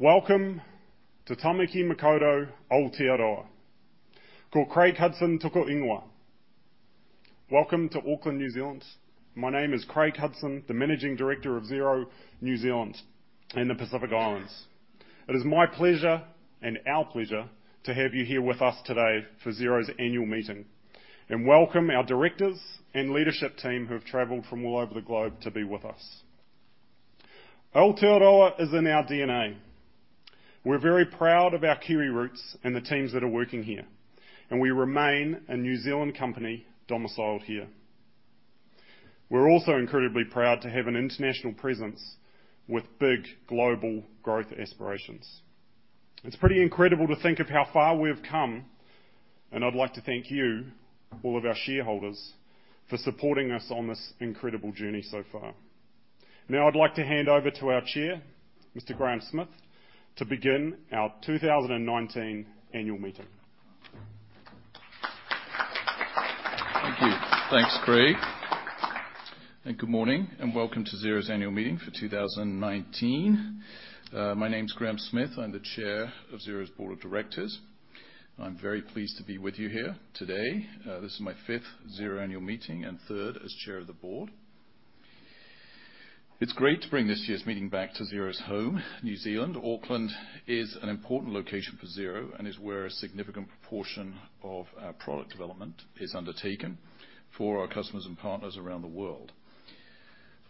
Welcome to Tāmaki Makaurau, Aotearoa. Ko Craig Hudson toku ingoa. Welcome to Auckland, New Zealand. My name is Craig Hudson, the Managing Director of Xero, New Zealand and the Pacific Islands. It is my pleasure and our pleasure to have you here with us today for Xero's annual meeting, and welcome our directors and leadership team who have traveled from all over the globe to be with us. Aotearoa is in our DNA. We're very proud of our Kiwi roots and the teams that are working here, and we remain a New Zealand company domiciled here. We're also incredibly proud to have an international presence with big global growth aspirations. It's pretty incredible to think of how far we've come, and I'd like to thank you, all of our shareholders, for supporting us on this incredible journey so far. I'd like to hand over to our Chair, Mr. Graham Smith, to begin our 2019 annual meeting. Thank you. Thanks, Craig, good morning and welcome to Xero's annual meeting for 2019. My name's Graham Smith. I'm the Chair of Xero's board of directors. I'm very pleased to be with you here today. This is my fifth Xero annual meeting and third as Chair of the board. It's great to bring this year's meeting back to Xero's home, New Zealand. Auckland is an important location for Xero and is where a significant proportion of our product development is undertaken for our customers and partners around the world.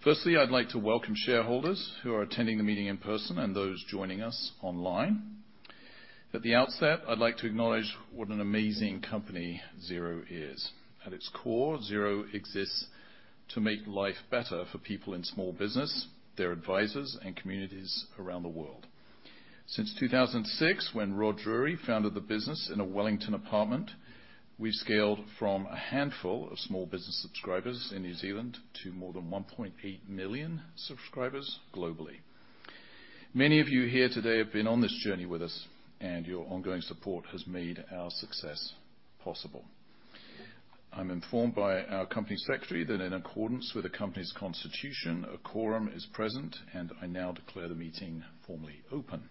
Firstly, I'd like to welcome shareholders who are attending the meeting in person and those joining us online. At the outset, I'd like to acknowledge what an amazing company Xero is. At its core, Xero exists to make life better for people in small business, their advisors, and communities around the world. Since 2006, when Rod Drury founded the business in a Wellington apartment, we've scaled from a handful of small business subscribers in New Zealand to more than 1.8 million subscribers globally. Many of you here today have been on this journey with us, and your ongoing support has made our success possible. I'm informed by our company secretary that in accordance with the company's constitution, a quorum is present, and I now declare the meeting formally open.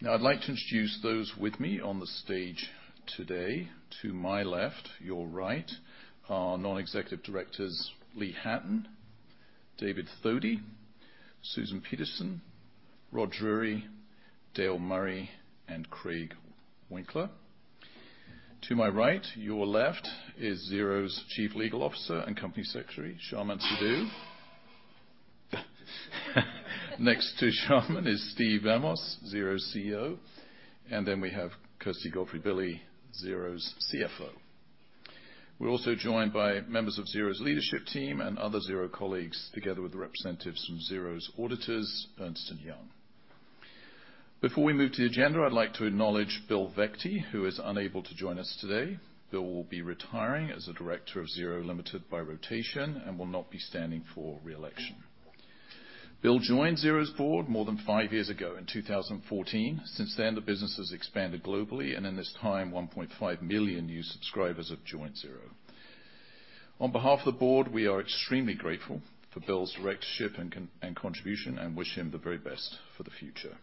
Now I'd like to introduce those with me on the stage today. To my left, your right, are non-executive directors Lee Hatton, David Thodey, Susan Peterson, Rod Drury, Dale Murray, and Craig Winkler. To my right, your left, is Xero's Chief Legal Officer and Company Secretary, Chaman Sidhu. Next to Chaman is Steve Vamos, Xero's CEO, and then we have Kirsty Godfrey-Billy, Xero's CFO. We're also joined by members of Xero's leadership team and other Xero colleagues, together with representatives from Xero's auditors, Ernst & Young. Before we move to the agenda, I'd like to acknowledge Bill Veghte, who is unable to join us today. Bill will be retiring as a director of Xero Limited by rotation and will not be standing for re-election. Bill joined Xero's board more than five years ago in 2014. Since then, the business has expanded globally, and in this time, 1.5 million new subscribers have joined Xero. On behalf of the board, we are extremely grateful for Bill's directorship and contribution and wish him the very best for the future.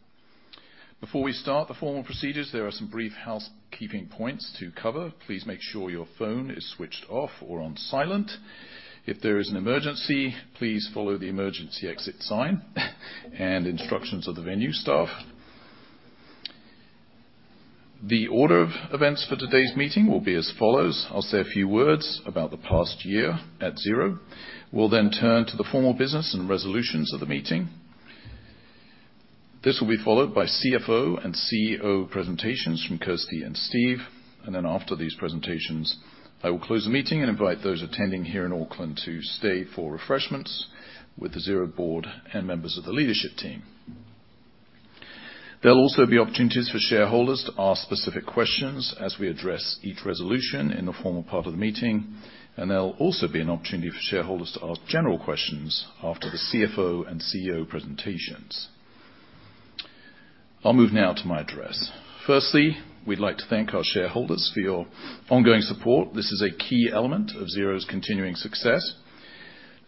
Before we start the formal procedures, there are some brief housekeeping points to cover. Please make sure your phone is switched off or on silent. If there is an emergency, please follow the emergency exit sign and instructions of the venue staff. The order of events for today's meeting will be as follows: I'll say a few words about the past year at Xero. We'll then turn to the formal business and resolutions of the meeting. This will be followed by CFO and CEO presentations from Kirsty and Steve, and then after these presentations, I will close the meeting and invite those attending here in Auckland to stay for refreshments with the Xero board and members of the leadership team. There'll also be opportunities for shareholders to ask specific questions as we address each resolution in the formal part of the meeting, and there'll also be an opportunity for shareholders to ask general questions after the CFO and CEO presentations. I'll move now to my address. Firstly, we'd like to thank our shareholders for your ongoing support. This is a key element of Xero's continuing success.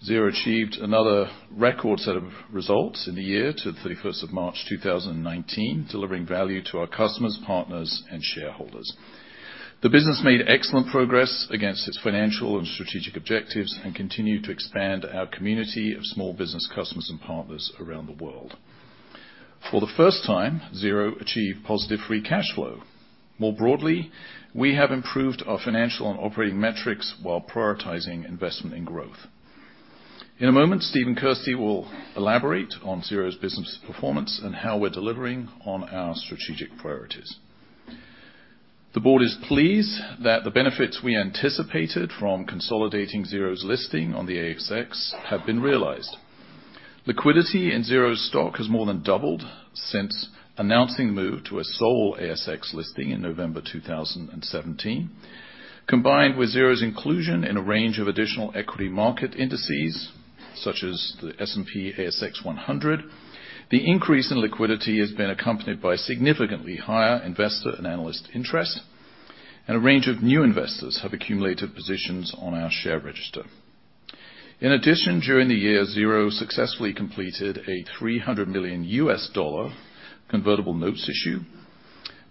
Xero achieved another record set of results in the year to the 31st of March 2019, delivering value to our customers, partners, and shareholders. The business made excellent progress against its financial and strategic objectives and continued to expand our community of small business customers and partners around the world. For the first time, Xero achieved positive free cash flow. More broadly, we have improved our financial and operating metrics while prioritizing investment and growth. In a moment, Steve and Kirsty will elaborate on Xero's business performance and how we're delivering on our strategic priorities. The board is pleased that the benefits we anticipated from consolidating Xero's listing on the ASX have been realized. Liquidity in Xero's stock has more than doubled since announcing the move to a sole ASX listing in November 2017. Combined with Xero's inclusion in a range of additional equity market indices, such as the S&P/ASX 100, the increase in liquidity has been accompanied by significantly higher investor and analyst interest. A range of new investors have accumulated positions on our share register. In addition, during the year, Xero successfully completed a $300 million convertible notes issue.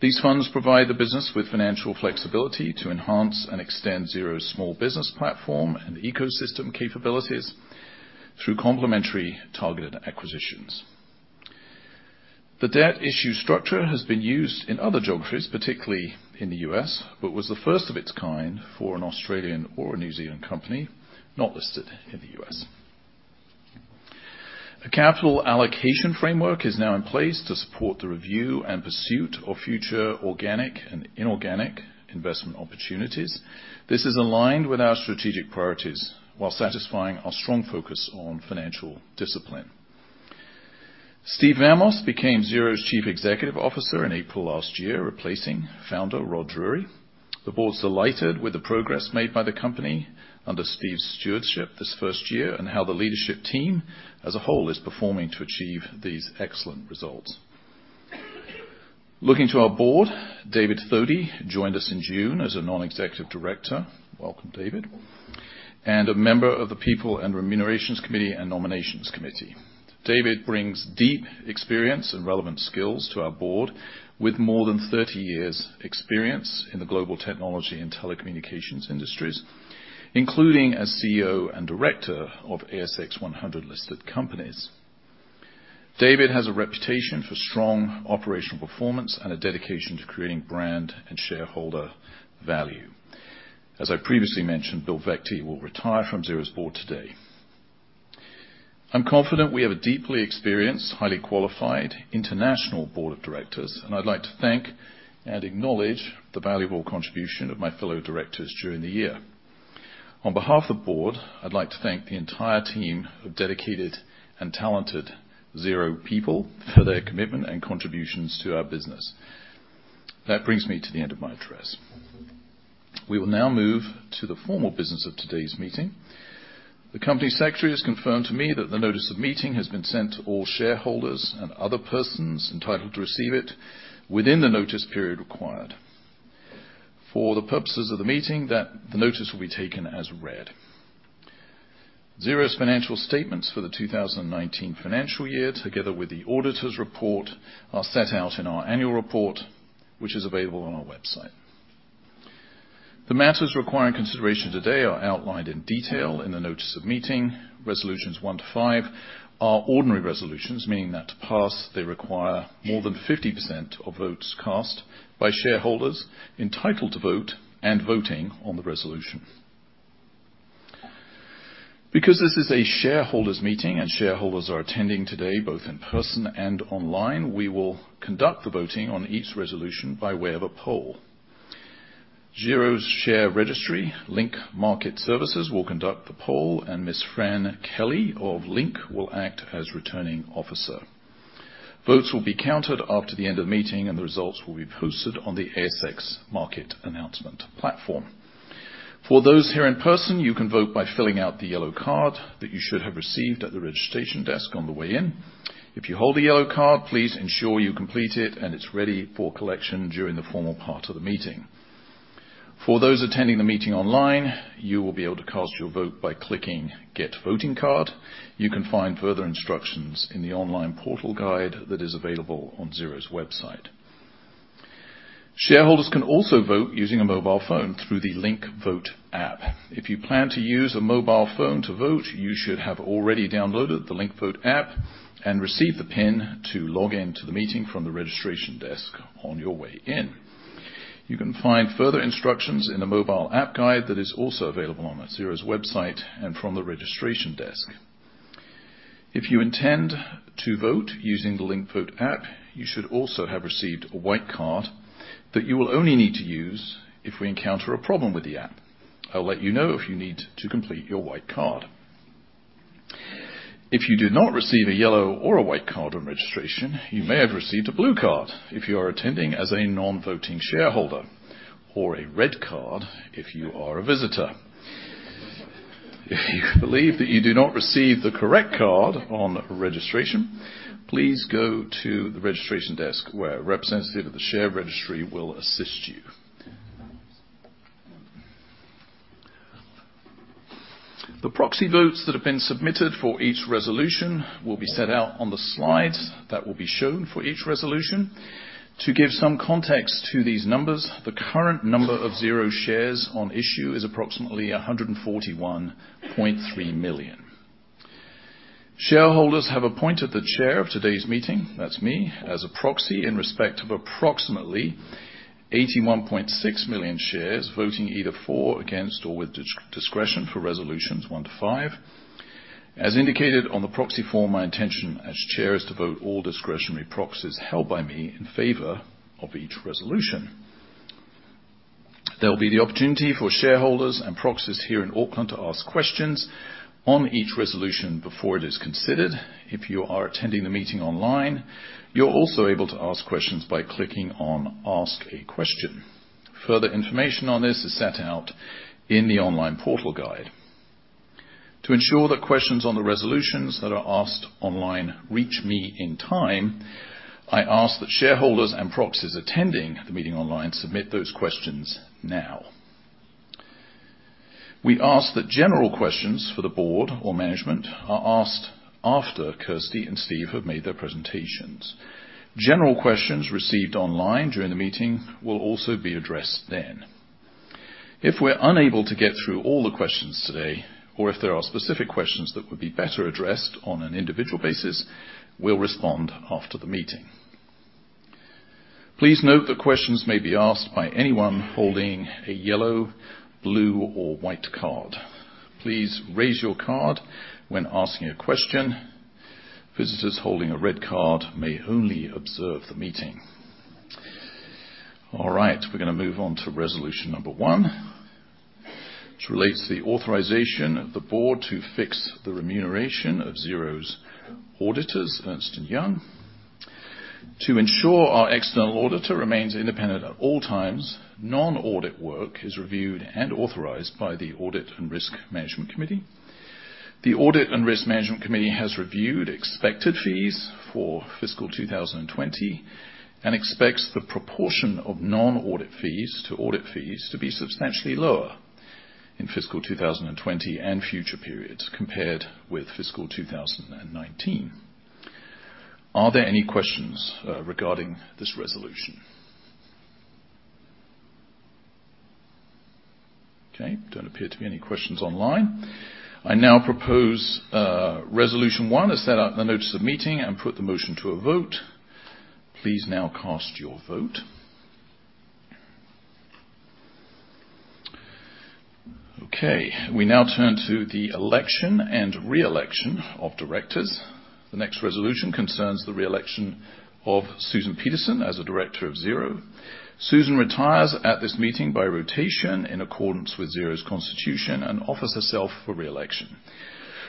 These funds provide the business with financial flexibility to enhance and extend Xero's small business platform and ecosystem capabilities through complementary targeted acquisitions. The debt issue structure has been used in other geographies, particularly in the U.S., but was the first of its kind for an Australian or a New Zealand company not listed in the U.S. A capital allocation framework is now in place to support the review and pursuit of future organic and inorganic investment opportunities. This is aligned with our strategic priorities, while satisfying our strong focus on financial discipline. Steve Vamos became Xero's Chief Executive Officer in April last year, replacing founder Rod Drury. The board's delighted with the progress made by the company under Steve's stewardship this first year, and how the leadership team as a whole is performing to achieve these excellent results. Looking to our board, David Thodey joined us in June as a non-executive director. Welcome, David. A member of the People and Remuneration Committee and Nominations Committee. David brings deep experience and relevant skills to our board, with more than 30 years' experience in the global technology and telecommunications industries, including as CEO and director of ASX 100-listed companies. David has a reputation for strong operational performance and a dedication to creating brand and shareholder value. As I previously mentioned, Bill Veghte will retire from Xero's board today. I'm confident we have a deeply experienced, highly qualified international board of directors, and I'd like to thank and acknowledge the valuable contribution of my fellow directors during the year. On behalf of the board, I'd like to thank the entire team of dedicated and talented Xero people for their commitment and contributions to our business. That brings me to the end of my address. We will now move to the formal business of today's meeting. The company secretary has confirmed to me that the notice of meeting has been sent to all shareholders and other persons entitled to receive it within the notice period required. For the purposes of the meeting, that the notice will be taken as read. Xero's financial statements for the 2019 financial year, together with the auditor's report, are set out in our annual report, which is available on our website. The matters requiring consideration today are outlined in detail in the notice of meeting. Resolutions one to five are ordinary resolutions, meaning that to pass, they require more than 50% of votes cast by shareholders entitled to vote and voting on the resolution. Because this is a shareholders meeting and shareholders are attending today both in person and online, we will conduct the voting on each resolution by way of a poll. Xero's share registry, Link Market Services, will conduct the poll, and Ms Fran Kelly of Link will act as Returning Officer. Votes will be counted after the end of the meeting, and the results will be posted on the ASX Market Announcement Platform. For those here in person, you can vote by filling out the yellow card that you should have received at the registration desk on the way in. If you hold a yellow card, please ensure you complete it, and it's ready for collection during the formal part of the meeting. For those attending the meeting online, you will be able to cast your vote by clicking Get Voting Card. You can find further instructions in the online portal guide that is available on Xero's website. Shareholders can also vote using a mobile phone through the Link Vote app. If you plan to use a mobile phone to vote, you should have already downloaded the Link Vote app and received the PIN to log in to the meeting from the registration desk on your way in. You can find further instructions in the mobile app guide that is also available on Xero's website and from the registration desk. If you intend to vote using the Link Vote app, you should also have received a white card that you will only need to use if we encounter a problem with the app. I'll let you know if you need to complete your white card. If you did not receive a yellow or a white card on registration, you may have received a blue card if you are attending as a non-voting shareholder, or a red card if you are a visitor. If you believe that you do not receive the correct card on registration, please go to the registration desk, where a representative of the share registry will assist you. The proxy votes that have been submitted for each resolution will be set out on the slides that will be shown for each resolution. To give some context to these numbers, the current number of Xero shares on issue is approximately 141.3 million. Shareholders have appointed the chair of today's meeting, that's me, as a proxy in respect of approximately 81.6 million shares, voting either for or against or with discretion for resolutions one to five. As indicated on the proxy form, my intention as chair is to vote all discretionary proxies held by me in favor of each resolution. There'll be the opportunity for shareholders and proxies here in Auckland to ask questions on each resolution before it is considered. If you are attending the meeting online, you're also able to ask questions by clicking on Ask a Question. Further information on this is set out in the online portal guide. To ensure that questions on the resolutions that are asked online reach me in time, I ask that shareholders and proxies attending the meeting online submit those questions now. We ask that general questions for the board or management are asked after Kirsty and Steve have made their presentations. General questions received online during the meeting will also be addressed then. If we're unable to get through all the questions today, or if there are specific questions that would be better addressed on an individual basis, we'll respond after the meeting. Please note that questions may be asked by anyone holding a yellow, blue, or white card. Please raise your card when asking a question. Visitors holding a red card may only observe the meeting. All right. We're going to move on to resolution number one, which relates to the authorization of the board to fix the remuneration of Xero's auditors, Ernst & Young. To ensure our external auditor remains independent at all times, non-audit work is reviewed and authorized by the Audit and Risk Management Committee. The Audit and Risk Management Committee has reviewed expected fees for fiscal 2020, and expects the proportion of non-audit fees to audit fees to be substantially lower in fiscal 2020 and future periods compared with fiscal 2019. Are there any questions regarding this resolution? Okay. Don't appear to be any questions online. I now propose resolution one as set out in the notice of meeting and put the motion to a vote. Please now cast your vote. Okay. We now turn to the election and re-election of directors. The next resolution concerns the re-election of Susan Peterson as a director of Xero. Susan retires at this meeting by rotation in accordance with Xero's constitution and offers herself for re-election.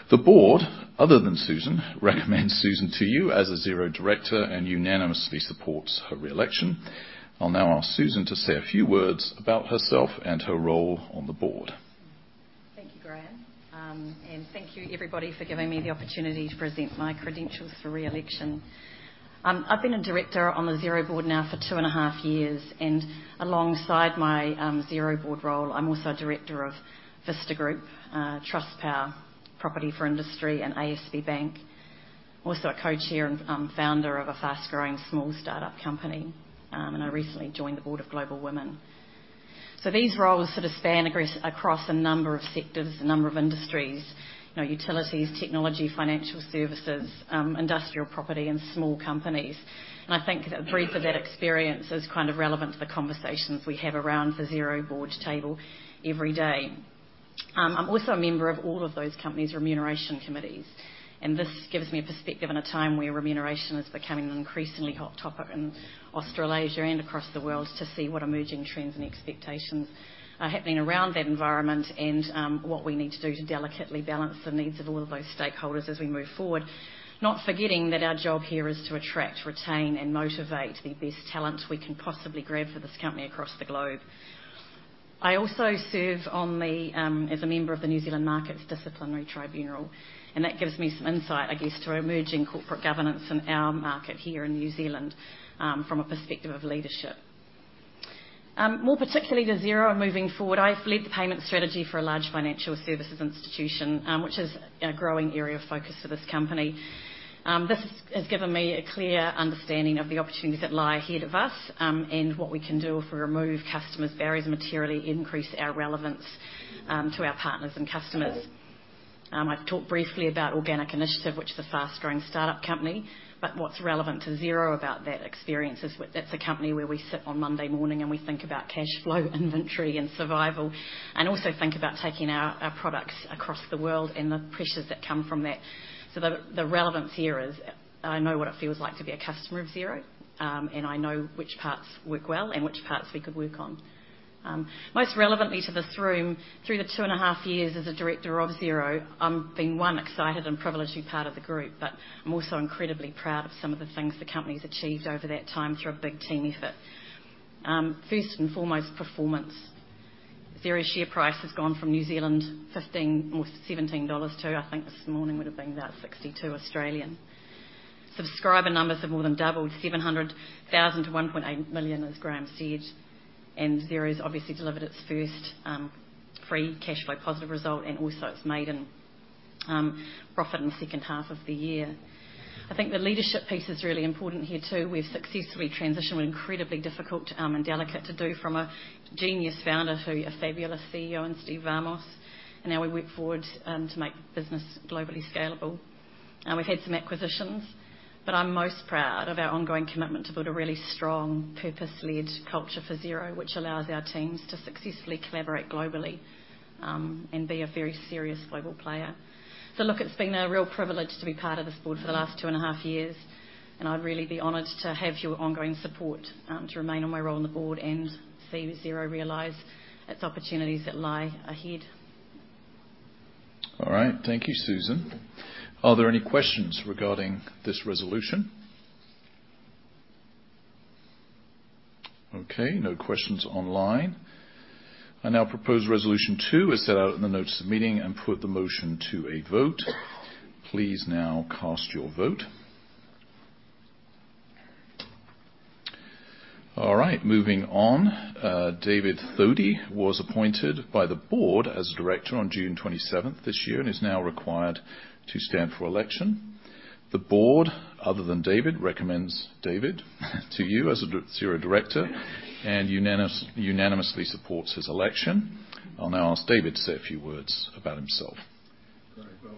The board, other than Susan, recommends Susan to you as a Xero director and unanimously supports her re-election. I'll now ask Susan to say a few words about herself and her role on the board. Thank you, Graham. Thank you everybody for giving me the opportunity to present my credentials for re-election. I've been a director on the Xero board now for two and a half years, alongside my Xero board role, I'm also a director of Vista Group, Trustpower, Property for Industry, and ASB Bank. I'm also a co-chair and founder of a fast-growing small startup company, I recently joined the board of Global Women. These roles sort of span across a number of sectors, a number of industries, utilities, technology, financial services, industrial property, and small companies. I think a brief of that experience is kind of relevant to the conversations we have around the Xero board table every day. I'm also a member of all of those companies' remuneration committees. This gives me a perspective in a time where remuneration is becoming an increasingly hot topic in Australasia and across the world to see what emerging trends and expectations are happening around that environment, and what we need to do to delicately balance the needs of all of those stakeholders as we move forward. Not forgetting that our job here is to attract, retain, and motivate the best talent we can possibly grab for this company across the globe. I also serve as a member of the New Zealand Markets Disciplinary Tribunal. That gives me some insight, I guess, to emerging corporate governance in our market here in New Zealand from a perspective of leadership. More particularly to Xero and moving forward, I've led the payment strategy for a large financial services institution, which is a growing area of focus for this company. This has given me a clear understanding of the opportunities that lie ahead of us, and what we can do if we remove customers' barriers and materially increase our relevance to our partners and customers. I've talked briefly about Organic Initiative, which is a fast-growing startup company, but what's relevant to Xero about that experience is that's a company where we sit on Monday morning and we think about cash flow, inventory, and survival, and also think about taking our products across the world and the pressures that come from that. The relevance here is I know what it feels like to be a customer of Xero, and I know which parts work well and which parts we could work on. Most relevantly to this room, through the two and a half years as a director of Xero, I've been, one, excited and privileged to be part of the group, but I'm also incredibly proud of some of the things the company's achieved over that time through a big team effort. First and foremost, performance. Xero's share price has gone from 15 New Zealand dollars or 17 dollars to, I think this morning would've been about 62. Subscriber numbers have more than doubled, 700,000 to 1.8 million, as Graham said. Xero's obviously delivered its first free cash flow positive result, and also it's made a profit in the second half of the year. I think the leadership piece is really important here, too. We've successfully transitioned what incredibly difficult and delicate to do from a genius founder to a fabulous CEO in Steve Vamos. Now we work forward to make the business globally scalable. We've had some acquisitions, but I'm most proud of our ongoing commitment to build a really strong purpose-led culture for Xero, which allows our teams to successfully collaborate globally, and be a very serious global player. Look, it's been a real privilege to be part of this board for the last two and a half years, and I'd really be honored to have your ongoing support to remain on my role on the board and see Xero realize its opportunities that lie ahead. All right. Thank you, Susan. Are there any questions regarding this resolution? Okay, no questions online. I now propose resolution 2 as set out in the notice of the meeting and put the motion to a vote. Please now cast your vote. All right. Moving on. David Thodey was appointed by the board as a director on June 27th this year, and is now required to stand for election. The board, other than David, recommends David to you as a Xero director and unanimously supports his election. I'll now ask David to say a few words about himself. Very well.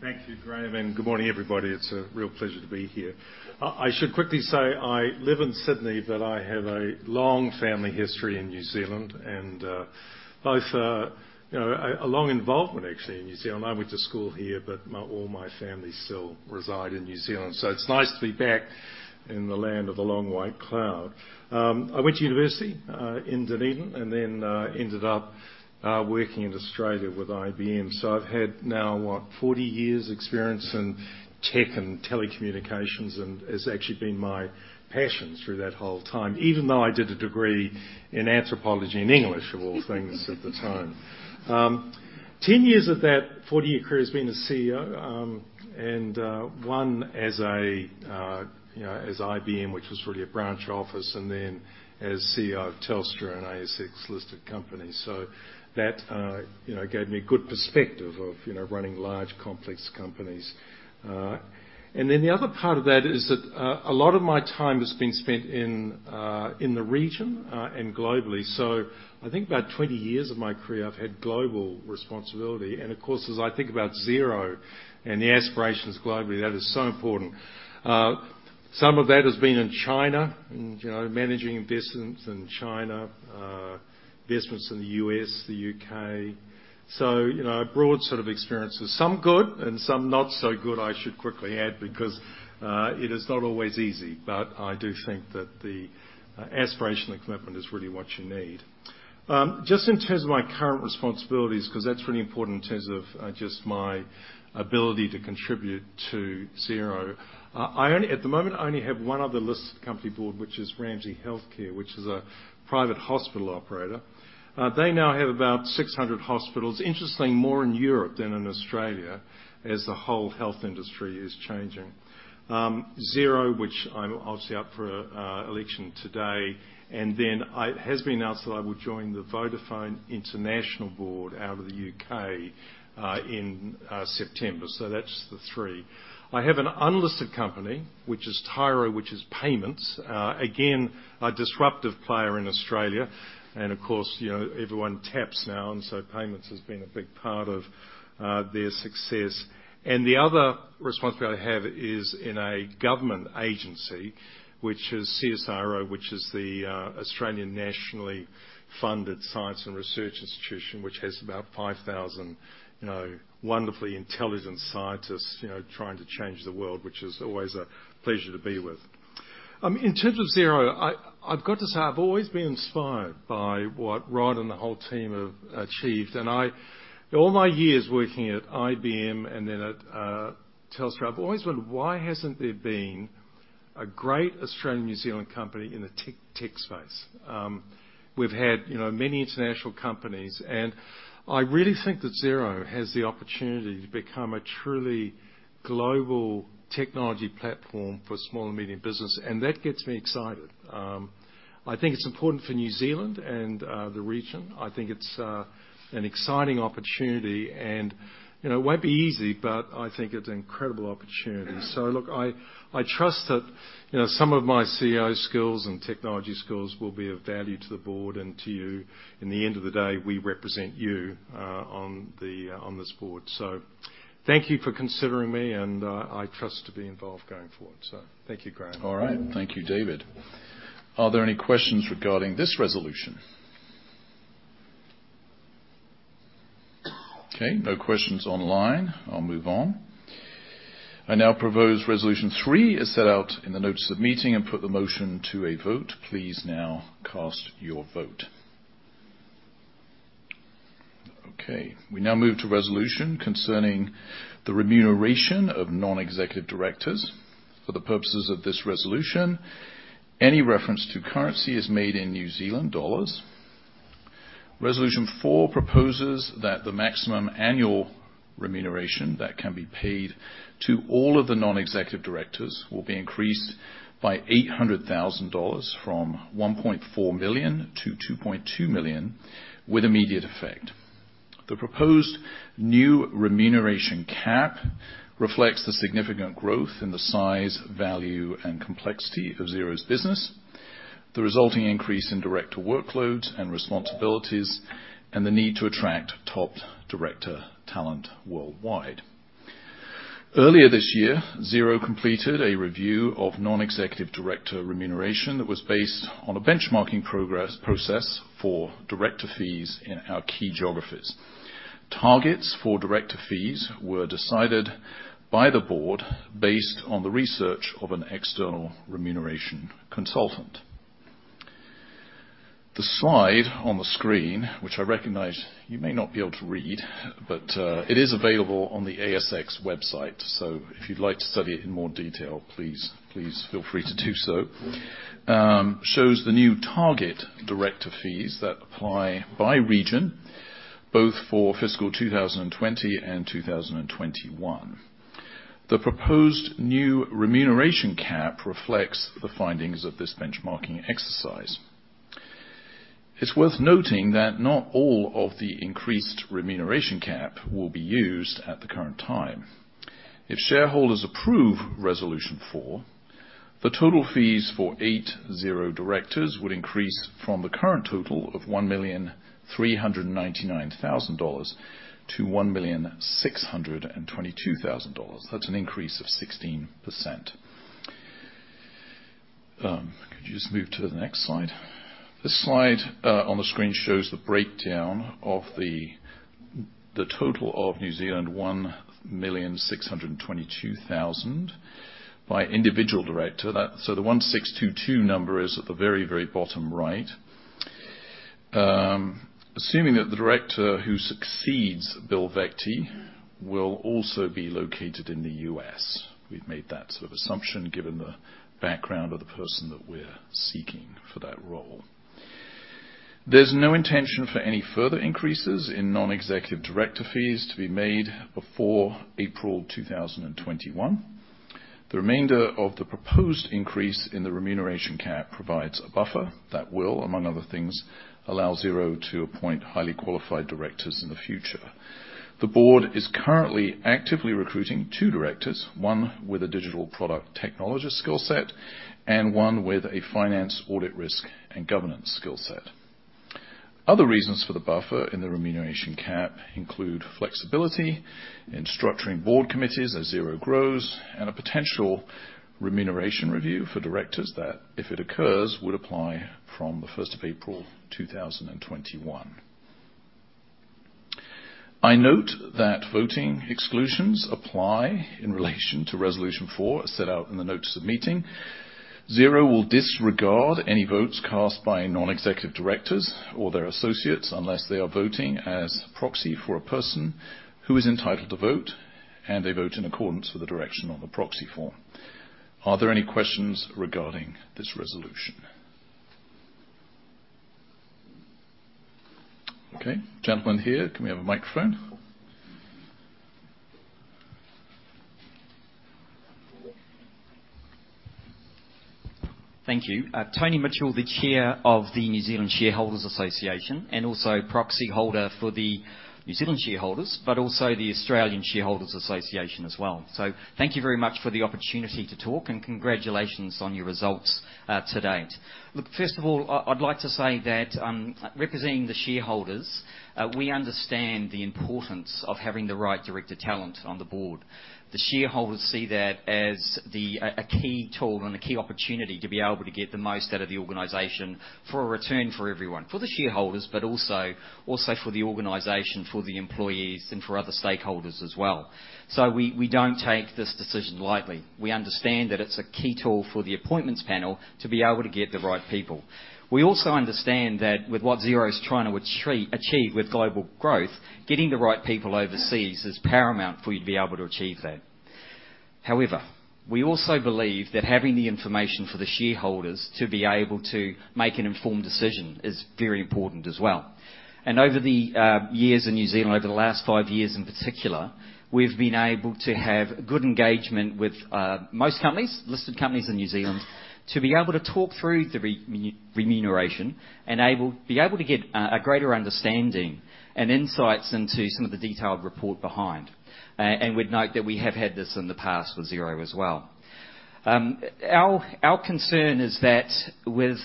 Thank you, Graham, and good morning everybody. It's a real pleasure to be here. I should quickly say I live in Sydney, but I have a long family history in New Zealand and both a long involvement, actually, in New Zealand. I went to school here, but all my family still reside in New Zealand, so it's nice to be back in the land of the long white cloud. I went to university in Dunedin and then ended up working in Australia with IBM. I've had now, what? 40 years experience in tech and telecommunications, and it's actually been my passion through that whole time, even though I did a degree in anthropology and English, of all things, at the time. 10 years of that 40-year career has been a CEO, and one as IBM, which was really a branch office, and then as CEO of Telstra, an ASX-listed company. That gave me a good perspective of running large, complex companies. The other part of that is that a lot of my time has been spent in the region and globally. I think about 20 years of my career I've had global responsibility. Of course, as I think about Xero and the aspirations globally, that is so important. Some of that has been in China and managing investments in China, investments in the U.S., the U.K. A broad sort of experiences, some good and some not so good, I should quickly add, because it is not always easy. I do think that the aspiration and commitment is really what you need. Just in terms of my current responsibilities, because that's really important in terms of just my ability to contribute to Xero. At the moment, I only have one other listed company board, which is Ramsay Health Care, which is a private hospital operator. They now have about 600 hospitals. Interestingly, more in Europe than in Australia as the whole health industry is changing. Xero, which I'm obviously up for election today, and then it has been announced that I will join the Vodafone International Board out of the U.K. in September. That's the three. I have an unlisted company, which is Tyro, which is payments. Again, a disruptive player in Australia. Of course, everyone taps now, and so payments has been a big part of their success. The other responsibility I have is in a government agency, which is CSIRO, which is the Australian nationally funded science and research institution, which has about 5,000 wonderfully intelligent scientists trying to change the world, which is always a pleasure to be with. In terms of Xero, I've got to say, I've always been inspired by what Rod and the whole team have achieved. All my years working at IBM and then at Telstra, I've always wondered, why hasn't there been a great Australian, New Zealand company in the tech space? We've had many international companies, and I really think that Xero has the opportunity to become a truly global technology platform for small and medium business, and that gets me excited. I think it's important for New Zealand and the region. I think it's an exciting opportunity and it won't be easy, but I think it's an incredible opportunity. Look, I trust that some of my CEO skills and technology skills will be of value to the board and to you. In the end of the day, we represent you on this board. Thank you for considering me, and I trust to be involved going forward. Thank you, Graham. All right. Thank you, David. Are there any questions regarding this resolution? Okay, no questions online. I'll move on. I now propose resolution 3 as set out in the notice of the meeting and put the motion to a vote. Please now cast your vote. Okay. We now move to resolution concerning the remuneration of non-executive directors. For the purposes of this resolution, any reference to currency is made in New Zealand dollars. Resolution 4 proposes that the maximum annual remuneration that can be paid to all of the non-executive directors will be increased by 800,000 dollars from 1.4 million to 2.2 million with immediate effect. The proposed new remuneration cap reflects the significant growth in the size, value, and complexity of Xero's business, the resulting increase in director workloads and responsibilities, and the need to attract top director talent worldwide. Earlier this year, Xero completed a review of non-executive director remuneration that was based on a benchmarking process for director fees in our key geographies. Targets for director fees were decided by the board based on the research of an external remuneration consultant. The slide on the screen, which I recognize you may not be able to read, but it is available on the ASX website, so if you'd like to study it in more detail, please feel free to do so, shows the new target director fees that apply by region, both for fiscal 2020 and 2021. The proposed new remuneration cap reflects the findings of this benchmarking exercise. It's worth noting that not all of the increased remuneration cap will be used at the current time. If shareholders approve Resolution 4, the total fees for eight Xero directors would increase from the current total of 1,399,000 dollars to 1,622,000 dollars. That's an increase of 16%. Could you just move to the next slide? This slide on the screen shows the breakdown of the total of 1,622,000 by individual director. So the 1,622 number is at the very bottom right. Assuming that the director who succeeds Bill Veghte will also be located in the U.S. We've made that sort of assumption given the background of the person that we're seeking for that role. There's no intention for any further increases in non-executive director fees to be made before April 2021. The remainder of the proposed increase in the remuneration cap provides a buffer that will, among other things, allow Xero to appoint highly qualified directors in the future. The board is currently actively recruiting two directors, one with a digital product technologist skill set, and one with a finance, audit, risk, and governance skill set. Other reasons for the buffer in the remuneration cap include flexibility in structuring board committees as Xero grows, and a potential remuneration review for directors that, if it occurs, would apply from the 1st of April 2021. I note that voting exclusions apply in relation to Resolution 4 as set out in the notice of meeting. Xero will disregard any votes cast by non-executive directors or their associates unless they are voting as proxy for a person who is entitled to vote and they vote in accordance with the direction on the proxy form. Are there any questions regarding this resolution? Okay. Gentleman here, can we have a microphone? Thank you. Tony Mitchell, the chair of the New Zealand Shareholders' Association, and also proxy holder for the New Zealand shareholders, but also the Australian Shareholders' Association as well. Thank you very much for the opportunity to talk, and congratulations on your results to date. Look, first of all, I'd like to say that representing the shareholders, we understand the importance of having the right director talent on the board. The shareholders see that as a key tool and a key opportunity to be able to get the most out of the organization for a return for everyone, for the shareholders, but also for the organization, for the employees, and for other stakeholders as well. We don't take this decision lightly. We understand that it's a key tool for the appointments panel to be able to get the right people. We also understand that with what Xero's trying to achieve with global growth, getting the right people overseas is paramount for you to be able to achieve that. We also believe that having the information for the shareholders to be able to make an informed decision is very important as well. Over the years in New Zealand, over the last five years in particular, we've been able to have good engagement with most companies, listed companies in New Zealand, to be able to talk through the remuneration and be able to get a greater understanding and insights into some of the detailed report behind. We'd note that we have had this in the past with Xero as well. Our concern is that with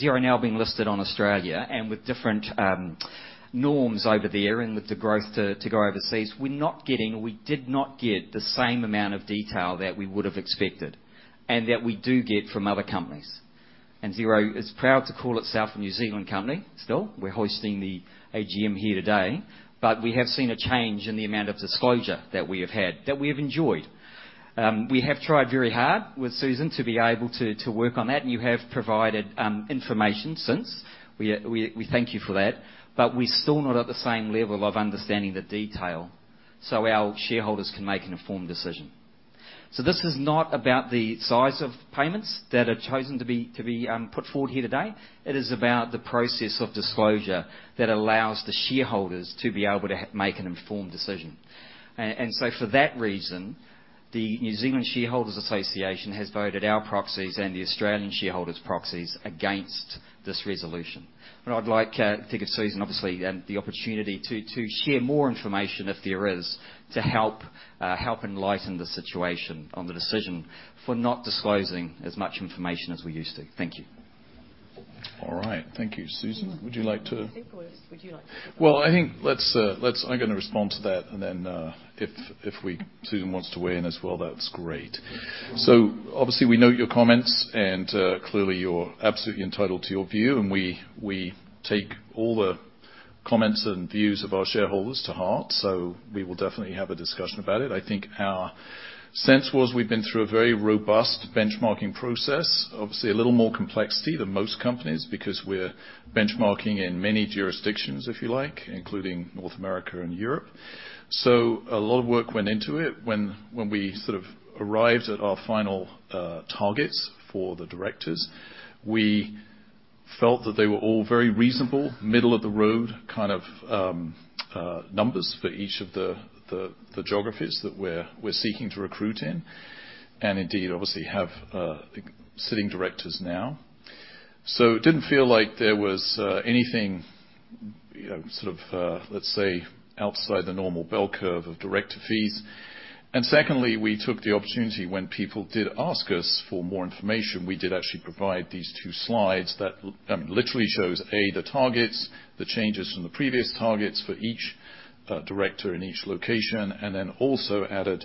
Xero now being listed on Australia and with different norms over there and with the growth to go overseas, we're not getting, or we did not get the same amount of detail that we would have expected and that we do get from other companies. Xero is proud to call itself a New Zealand company still. We're hosting the AGM here today. We have seen a change in the amount of disclosure that we have had, that we have enjoyed. We have tried very hard with Susan to be able to work on that, and you have provided information since. We thank you for that. We're still not at the same level of understanding the detail so our shareholders can make an informed decision. This is not about the size of payments that are chosen to be put forward here today. It is about the process of disclosure that allows the shareholders to be able to make an informed decision. For that reason, the New Zealand Shareholders' Association has voted our proxies and the Australian shareholders' proxies against this resolution. I'd like to give Susan, obviously, the opportunity to share more information if there is, to help enlighten the situation on the decision for not disclosing as much information as we used to. Thank you. All right. Thank you. Susan, would you like to- What do you think, or would you like to? Well, I think I'm going to respond to that and then, if Susan wants to weigh in as well, that's great. Obviously, we note your comments, and, clearly, you're absolutely entitled to your view, and we take all the comments and views of our shareholders to heart, so we will definitely have a discussion about it. I think our sense was we've been through a very robust benchmarking process. Obviously, a little more complexity than most companies because we're benchmarking in many jurisdictions, if you like, including North America and Europe. A lot of work went into it. When we arrived at our final targets for the directors, we felt that they were all very reasonable, middle-of-the-road kind of numbers for each of the geographies that we're seeking to recruit in. Indeed, obviously, have sitting directors now. It didn't feel like there was anything, let's say, outside the normal bell curve of director fees. Secondly, we took the opportunity when people did ask us for more information, we did actually provide these two slides that literally shows, A, the targets, the changes from the previous targets for each director in each location, and then also added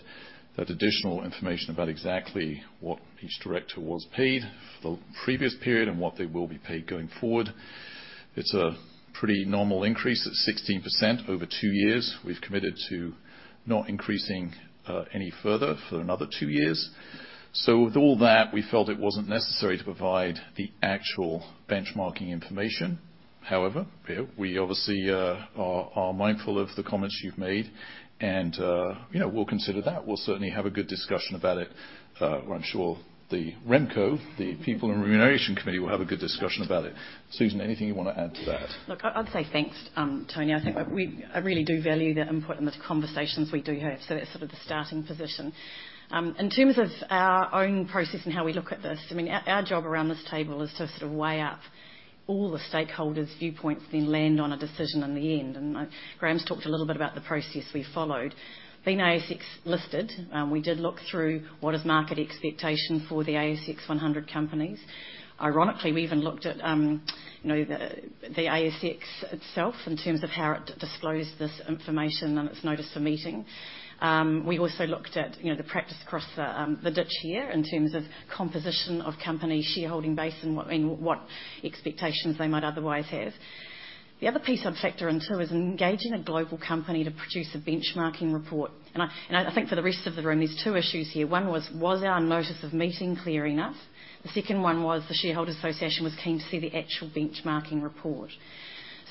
that additional information about exactly what each director was paid for the previous period and what they will be paid going forward. It's a pretty normal increase at 16% over two years. We've committed to not increasing any further for another two years. With all that, we felt it wasn't necessary to provide the actual benchmarking information. However, we obviously are mindful of the comments you've made, and we'll consider that. We'll certainly have a good discussion about it. I'm sure the RemCo, the people in the remuneration committee, will have a good discussion about it. Susan, anything you want to add to that? I'd say thanks, Tony. I think I really do value the input and the conversations we do have. That's the starting position. In terms of our own process and how we look at this, our job around this table is to sort of weigh up all the stakeholders' viewpoints, then land on a decision in the end. Graham's talked a little bit about the process we followed. Being ASX listed, we did look through what is market expectation for the ASX 100 companies. Ironically, we even looked at the ASX itself in terms of how it disclosed this information and its notice of meeting. We also looked at the practice across the ditch here in terms of composition of company shareholding base and what expectations they might otherwise have. The other piece I'd factor in too is engaging a global company to produce a benchmarking report. I think for the rest of the room, there's two issues here. One was our notice of meeting clear enough? The second one was the Shareholder Association was keen to see the actual benchmarking report.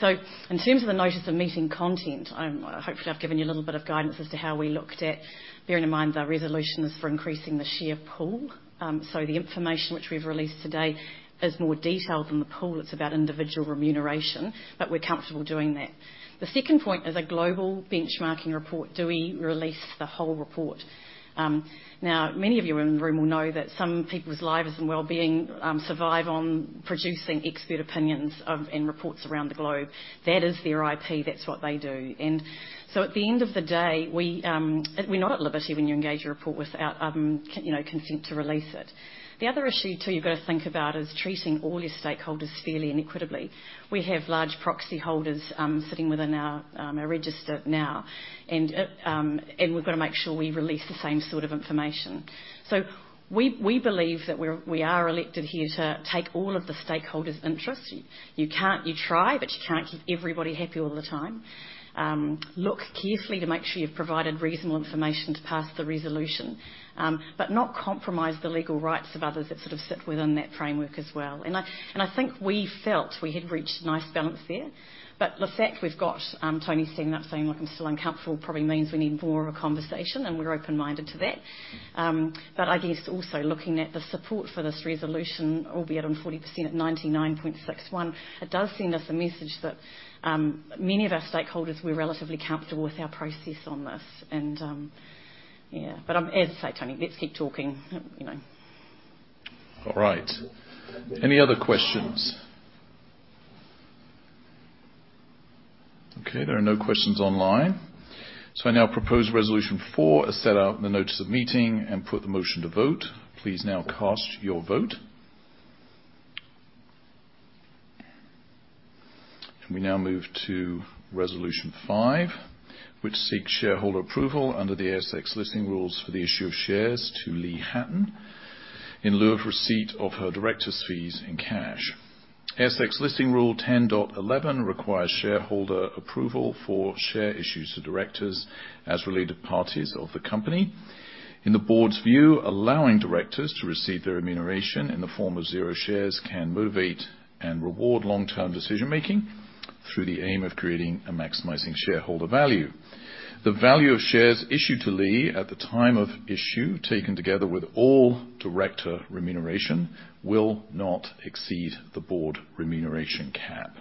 In terms of the notice of meeting content, hopefully I've given you a little bit of guidance as to how we looked at bearing in mind the resolution is for increasing the share pool. The information which we've released today is more detailed than the pool. It's about individual remuneration, but we're comfortable doing that. The second point is a global benchmarking report. Do we release the whole report? Many of you in the room will know that some people's lives and wellbeing survive on producing expert opinions and reports around the globe. That is their IP. That's what they do. At the end of the day, we're not at liberty when you engage a report without consent to release it. The other issue too you've got to think about is treating all your stakeholders fairly and equitably. We have large proxy holders sitting within our register now, and we've got to make sure we release the same sort of information. We believe that we are elected here to take all of the stakeholders' interests. You try, but you can't keep everybody happy all the time. Look carefully to make sure you've provided reasonable information to pass the resolution, but not compromise the legal rights of others that sit within that framework as well. I think we felt we had reached a nice balance there. The fact we've got Tony standing up saying, "Look, I'm still uncomfortable," probably means we need more of a conversation, and we're open-minded to that. I guess also looking at the support for this resolution, albeit on 40% at 99.61%, it does send us a message that many of our stakeholders were relatively comfortable with our process on this. Yeah. As I say, Tony, let's keep talking. All right. Any other questions? There are no questions online. I now propose resolution 4 as set out in the notice of meeting and put the motion to vote. Please now cast your vote. We now move to resolution 5, which seeks shareholder approval under the ASX listing rules for the issue of shares to Lee Hatton in lieu of receipt of her director's fees in cash. ASX listing rule 10.11 requires shareholder approval for share issues to directors as related parties of the company. In the board's view, allowing directors to receive their remuneration in the form of Xero shares can motivate and reward long-term decision-making through the aim of creating and maximizing shareholder value. The value of shares issued to Lee at the time of issue, taken together with all director remuneration, will not exceed the board remuneration cap.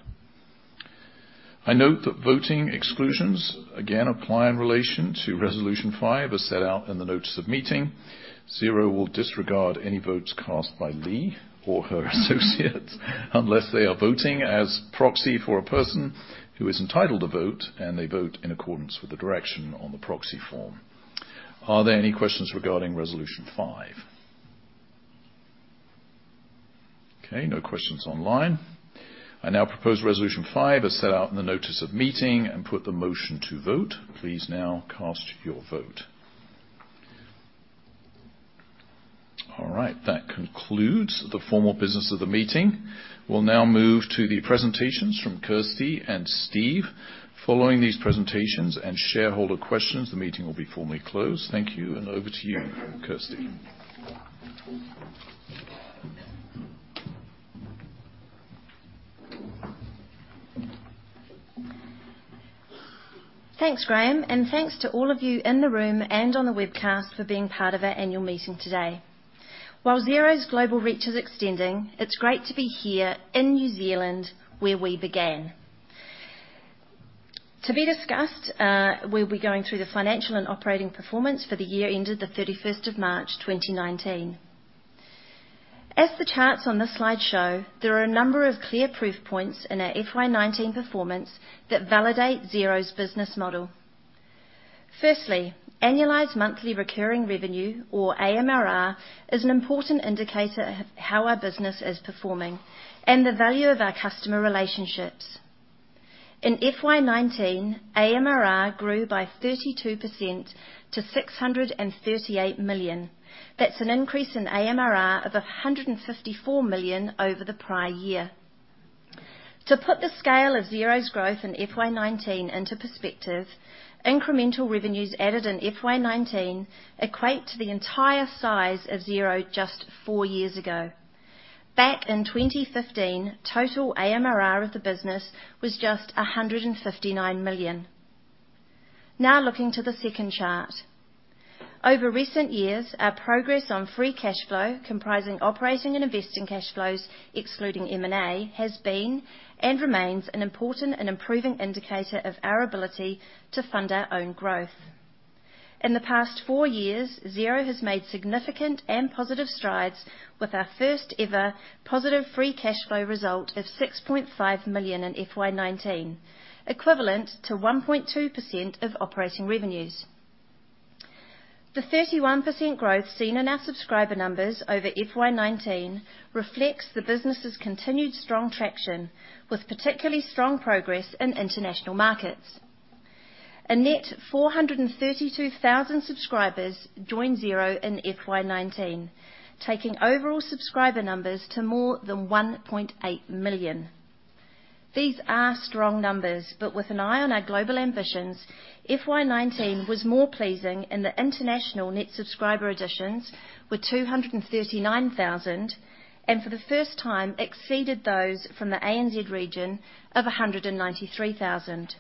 I note that voting exclusions again apply in relation to resolution five as set out in the notice of meeting. Xero will disregard any votes cast by Lee or her associates unless they are voting as proxy for a person who is entitled to vote and they vote in accordance with the direction on the proxy form. Are there any questions regarding resolution five? Okay, no questions online. I now propose resolution five as set out in the notice of meeting and put the motion to vote. Please now cast your vote. All right. That concludes the formal business of the meeting. We'll now move to the presentations from Kirsty and Steve. Following these presentations and shareholder questions, the meeting will be formally closed. Thank you, and over to you, Kirsty. Thanks, Graham, and thanks to all of you in the room and on the webcast for being part of our annual meeting today. While Xero's global reach is extending, it's great to be here in New Zealand, where we began. To be discussed, we'll be going through the financial and operating performance for the year ended the 31st of March 2019. As the charts on this slide show, there are a number of clear proof points in our FY 2019 performance that validate Xero's business model. Firstly, Annualized Monthly Recurring Revenue, or AMRR, is an important indicator of how our business is performing and the value of our customer relationships. In FY 2019, AMRR grew by 32% to 638 million. That's an increase in AMRR of 154 million over the prior year. To put the scale of Xero's growth in FY 2019 into perspective, incremental revenues added in FY 2019 equate to the entire size of Xero just four years ago. Back in 2015, total AMRR of the business was just 159 million. Looking to the second chart. Over recent years, our progress on free cash flow, comprising operating and investing cash flows, excluding M&A, has been and remains an important and improving indicator of our ability to fund our own growth. In the past four years, Xero has made significant and positive strides with our first ever positive free cash flow result of 6.5 million in FY 2019, equivalent to 1.2% of operating revenues. The 31% growth seen in our subscriber numbers over FY 2019 reflects the business's continued strong traction, with particularly strong progress in international markets. A net 432,000 subscribers joined Xero in FY 2019, taking overall subscriber numbers to more than 1.8 million. These are strong numbers, but with an eye on our global ambitions, FY 2019 was more pleasing in the international net subscriber additions with 239,000, and for the first time exceeded those from the ANZ region of 193,000.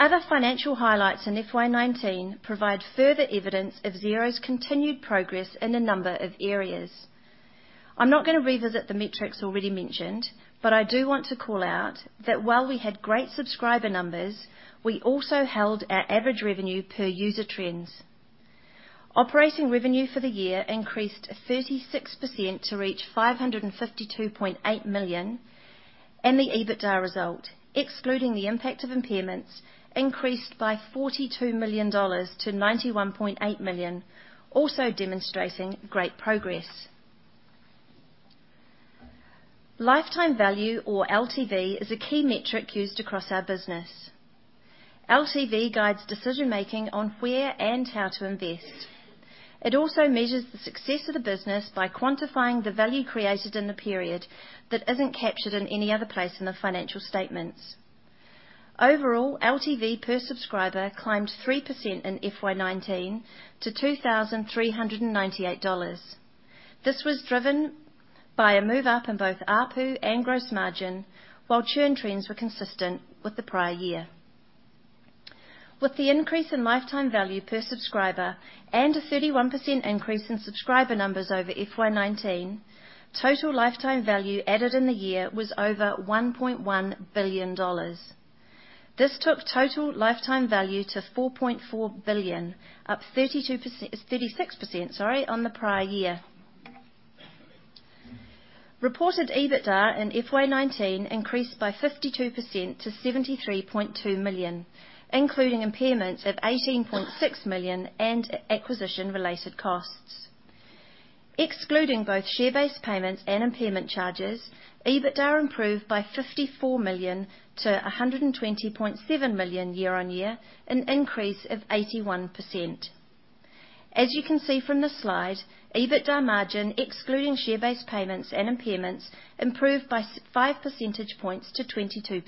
Other financial highlights in FY 2019 provide further evidence of Xero's continued progress in a number of areas. I'm not going to revisit the metrics already mentioned, but I do want to call out that while we had great subscriber numbers, we also held our average revenue per user trends. Operating revenue for the year increased 36% to reach 552.8 million, and the EBITDA result, excluding the impact of impairments, increased by 42 million dollars to 91.8 million, also demonstrating great progress. Lifetime value, or LTV, is a key metric used across our business. LTV guides decision making on where and how to invest. It also measures the success of the business by quantifying the value created in the period that isn't captured in any other place in the financial statements. Overall, LTV per subscriber climbed 3% in FY 2019 to 2,398 dollars. This was driven by a move up in both ARPU and gross margin, while churn trends were consistent with the prior year. With the increase in lifetime value per subscriber and a 31% increase in subscriber numbers over FY 2019, total lifetime value added in the year was over 1.1 billion dollars. This took total lifetime value to 4.4 billion, up 36% on the prior year. Reported EBITDA in FY 2019 increased by 52% to 73.2 million, including impairments of 18.6 million and acquisition-related costs. Excluding both share-based payments and impairment charges, EBITDA improved by 54 million to 120.7 million year-on-year, an increase of 81%. As you can see from the slide, EBITDA margin, excluding share-based payments and impairments, improved by five percentage points to 22%.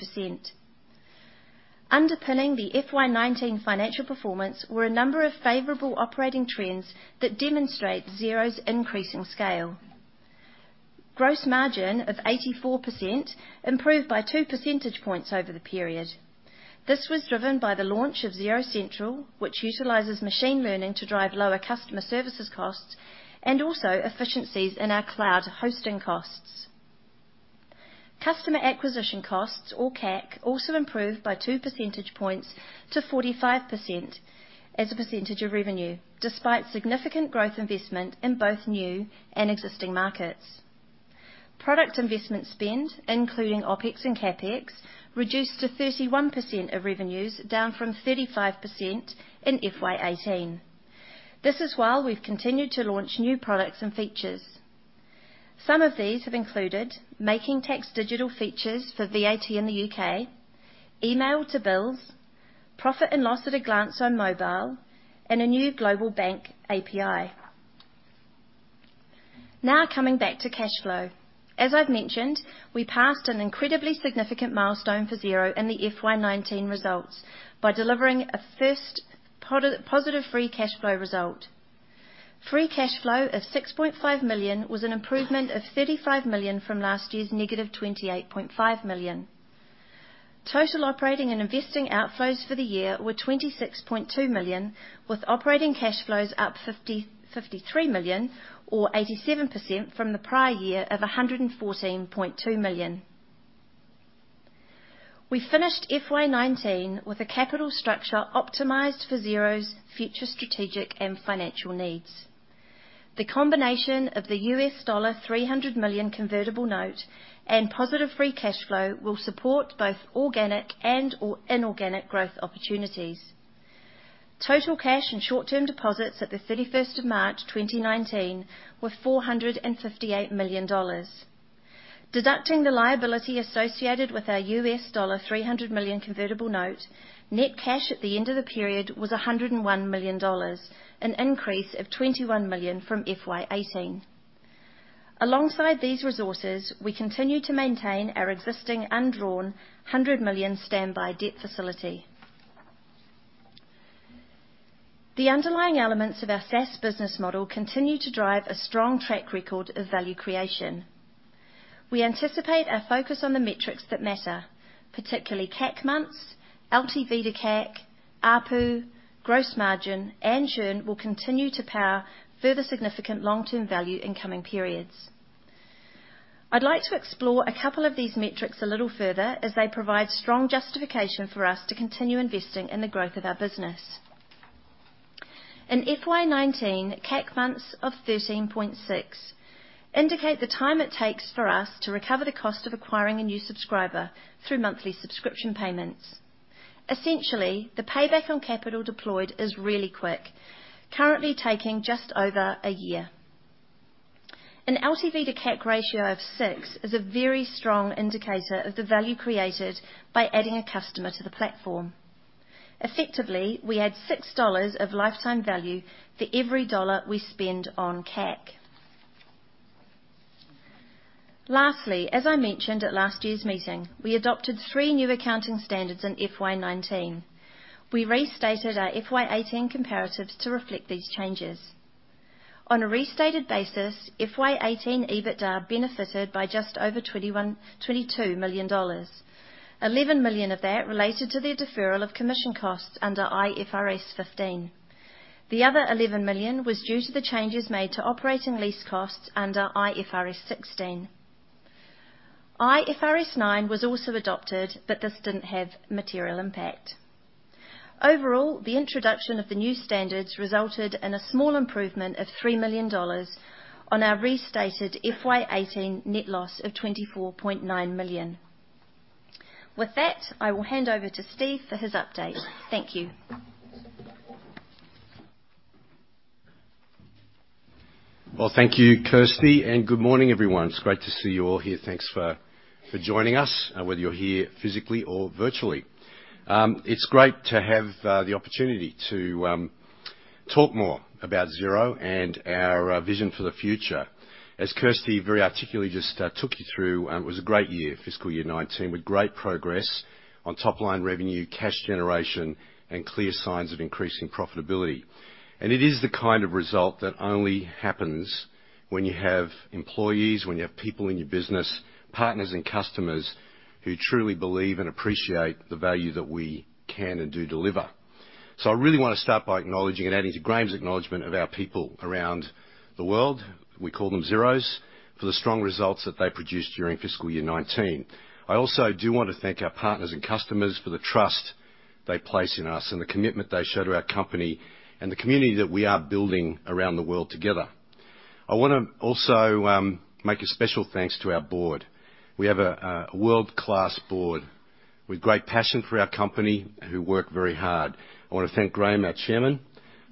Underpinning the FY 2019 financial performance were a number of favorable operating trends that demonstrate Xero's increasing scale. Gross margin of 84% improved by two percentage points over the period. This was driven by the launch of Xero Central, which utilizes machine learning to drive lower customer services costs, and also efficiencies in our cloud hosting costs. Customer acquisition costs, or CAC, also improved by two percentage points to 45% as a percentage of revenue, despite significant growth investment in both new and existing markets. Product investment spend, including OpEx and CapEx, reduced to 31% of revenues, down from 35% in FY 2018. This is while we've continued to launch new products and features. Some of these have included Making Tax Digital features for VAT in the U.K., email to bills, profit and loss at a glance on mobile, and a new global bank API. Coming back to cash flow. As I've mentioned, we passed an incredibly significant milestone for Xero in the FY 2019 results by delivering a first positive free cash flow result. Free cash flow of 6.5 million was an improvement of 35 million from last year's negative 28.5 million. Total operating and investing outflows for the year were 26.2 million, with operating cash flows up 53 million or 87% from the prior year of 114.2 million. We finished FY 2019 with a capital structure optimized for Xero's future strategic and financial needs. The combination of the $300 million convertible note and positive free cash flow will support both organic and/or inorganic growth opportunities. Total cash and short-term deposits at the 31st of March 2019 were 458 million dollars. Deducting the liability associated with our $300 million convertible note, net cash at the end of the period was NZD 101 million, an increase of NZD 21 million from FY 2018. Alongside these resources, we continue to maintain our existing undrawn 100 million standby debt facility. The underlying elements of our SaaS business model continue to drive a strong track record of value creation. We anticipate our focus on the metrics that matter, particularly CAC months, LTV to CAC, ARPU, gross margin, and churn will continue to power further significant long-term value in coming periods. I'd like to explore a couple of these metrics a little further as they provide strong justification for us to continue investing in the growth of our business. In FY 2019, CAC months of 13.6 indicate the time it takes for us to recover the cost of acquiring a new subscriber through monthly subscription payments. Essentially, the payback on capital deployed is really quick, currently taking just over 1 year. An LTV to CAC ratio of 6 is a very strong indicator of the value created by adding a customer to the platform. Effectively, we add 6 dollars of lifetime value for every NZD 1 we spend on CAC. Lastly, as I mentioned at last year's meeting, we adopted 3 new accounting standards in FY 2019. We restated our FY 2018 comparatives to reflect these changes. On a restated basis, FY 2018 EBITDA benefited by just over 22 million dollars, 11 million of that related to the deferral of commission costs under IFRS 15. The other 11 million was due to the changes made to operating lease costs under IFRS 16. IFRS 9 was also adopted, but this didn't have material impact. Overall, the introduction of the new standards resulted in a small improvement of 3 million dollars on our restated FY 2018 net loss of 24.9 million. With that, I will hand over to Steve for his update. Thank you. Well, thank you, Kirsty, and good morning, everyone. It's great to see you all here. Thanks for joining us, whether you're here physically or virtually. It's great to have the opportunity to talk more about Xero and our vision for the future. As Kirsty very articulately just took you through, it was a great year, fiscal year 2019, with great progress on top-line revenue, cash generation, and clear signs of increasing profitability. It is the kind of result that only happens when you have employees, when you have people in your business, partners and customers, who truly believe and appreciate the value that we can and do deliver. I really want to start by acknowledging and adding to Graham's acknowledgement of our people around the world, we call them Xeros, for the strong results that they produced during fiscal year 2019. I also do want to thank our partners and customers for the trust they place in us and the commitment they show to our company and the community that we are building around the world together. I want to also make a special thanks to our board. We have a world-class board with great passion for our company who work very hard. I want to thank Graham, our Chairman,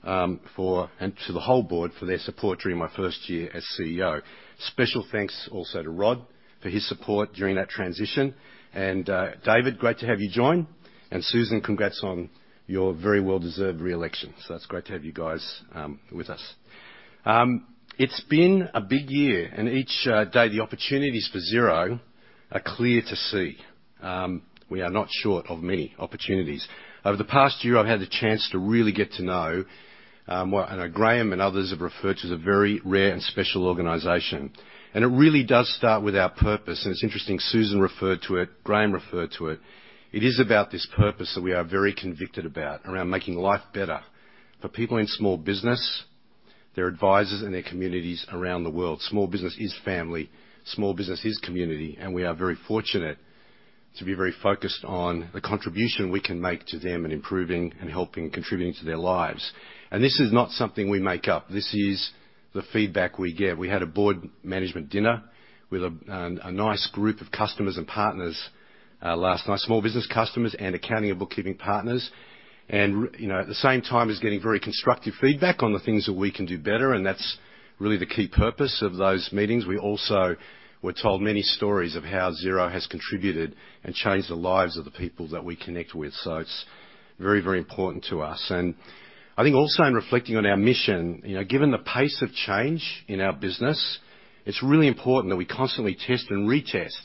and to the whole board for their support during my first year as CEO. Special thanks also to Rod for his support during that transition, and David, great to have you join, and Susan, congrats on your very well-deserved re-election. That's great to have you guys with us. It's been a big year, and each day the opportunities for Xero are clear to see. We are not short of many opportunities. Over the past year, I've had the chance to really get to know what I know Graham and others have referred to as a very rare and special organization. It really does start with our purpose. It's interesting, Susan referred to it, Graham referred to it. It is about this purpose that we are very convicted about, around making life better for people in small business, their advisors, and their communities around the world. Small business is family, small business is community, we are very fortunate to be very focused on the contribution we can make to them in improving and helping, contributing to their lives. This is not something we make up. This is the feedback we get. We had a board management dinner with a nice group of customers and partners last night, small business customers and accounting and bookkeeping partners. At the same time as getting very constructive feedback on the things that we can do better, and that's really the key purpose of those meetings. We also were told many stories of how Xero has contributed and changed the lives of the people that we connect with. It's very, very important to us. I think also in reflecting on our mission, given the pace of change in our business, it's really important that we constantly test and retest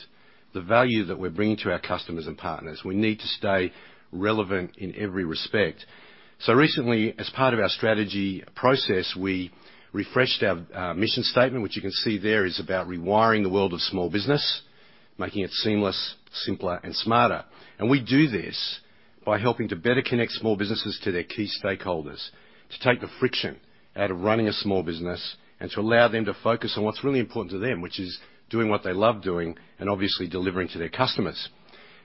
the value that we're bringing to our customers and partners. We need to stay relevant in every respect. Recently, as part of our strategy process, we refreshed our mission statement, which you can see there is about rewiring the world of small business, making it seamless, simpler and smarter. We do this by helping to better connect small businesses to their key stakeholders, to take the friction out of running a small business, and to allow them to focus on what's really important to them, which is doing what they love doing and obviously delivering to their customers.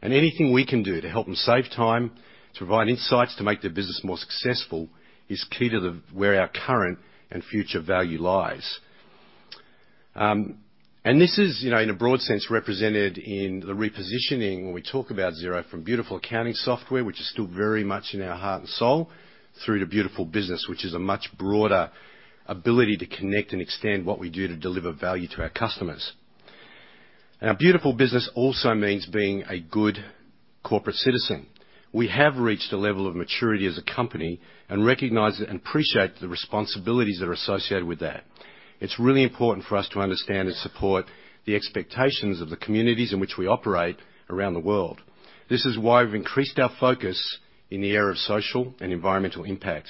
Anything we can do to help them save time, to provide insights, to make their business more successful, is key to where our current and future value lies. This is, in a broad sense, represented in the repositioning when we talk about Xero from beautiful accounting software, which is still very much in our heart and soul, through to beautiful business, which is a much broader ability to connect and extend what we do to deliver value to our customers. Beautiful business also means being a good corporate citizen. We have reached a level of maturity as a company and recognize and appreciate the responsibilities that are associated with that. It's really important for us to understand and support the expectations of the communities in which we operate around the world. This is why we've increased our focus in the area of Social and Environmental Impact.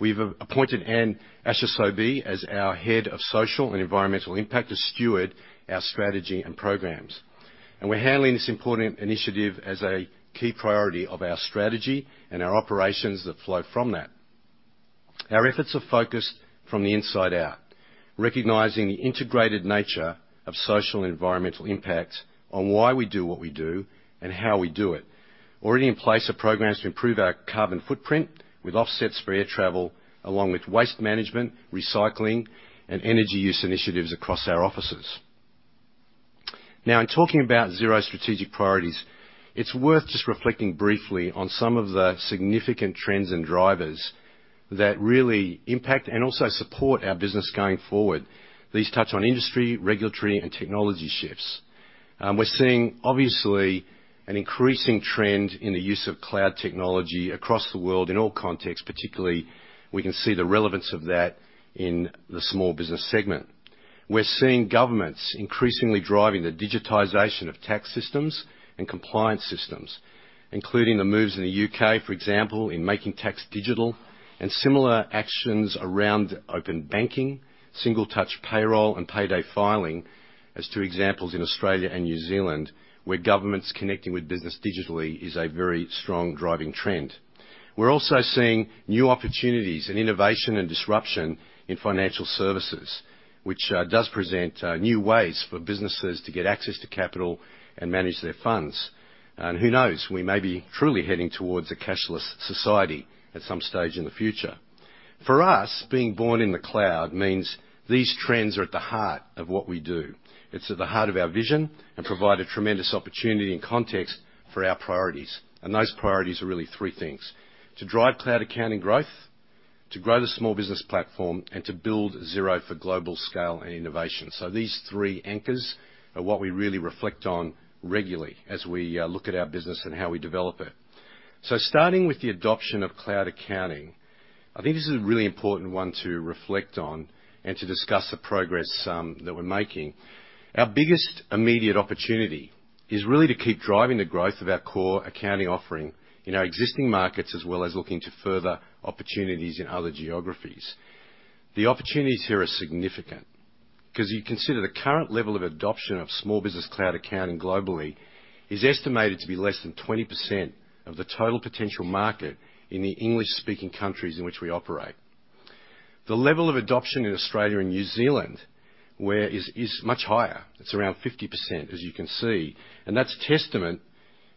We've appointed Anne Ascharsobi as our Head of Social and Environmental Impact to steward our strategy and programs. We're handling this important initiative as a key priority of our strategy and our operations that flow from that. Our efforts are focused from the inside out, recognizing the integrated nature of Social and Environmental Impact on why we do what we do and how we do it. Already in place are programs to improve our carbon footprint with offsets for air travel, along with waste management, recycling, and energy use initiatives across our offices. In talking about Xero's strategic priorities, it's worth just reflecting briefly on some of the significant trends and drivers that really impact and also support our business going forward. These touch on industry, regulatory, and technology shifts. We're seeing, obviously, an increasing trend in the use of cloud technology across the world in all contexts. Particularly, we can see the relevance of that in the small business segment. We're seeing governments increasingly driving the digitization of tax systems and compliance systems, including the moves in the U.K., for example, in Making Tax Digital and similar actions around open banking, Single Touch Payroll, and payday filing, as two examples in Australia and New Zealand, where governments connecting with business digitally is a very strong driving trend. We're also seeing new opportunities in innovation and disruption in financial services, which does present new ways for businesses to get access to capital and manage their funds. Who knows? We may be truly heading towards a cashless society at some stage in the future. For us, being born in the cloud means these trends are at the heart of what we do. It's at the heart of our vision and provide a tremendous opportunity and context for our priorities. Those priorities are really three things: To drive cloud accounting growth, to grow the small business platform, and to build Xero for global scale and innovation. These three anchors are what we really reflect on regularly as we look at our business and how we develop it. Starting with the adoption of cloud accounting, I think this is a really important one to reflect on and to discuss the progress that we're making. Our biggest immediate opportunity is really to keep driving the growth of our core accounting offering in our existing markets, as well as looking to further opportunities in other geographies. The opportunities here are significant because you consider the current level of adoption of small business cloud accounting globally is estimated to be less than 20% of the total potential market in the English-speaking countries in which we operate. The level of adoption in Australia and New Zealand is much higher. It's around 50%, as you can see. That's a testament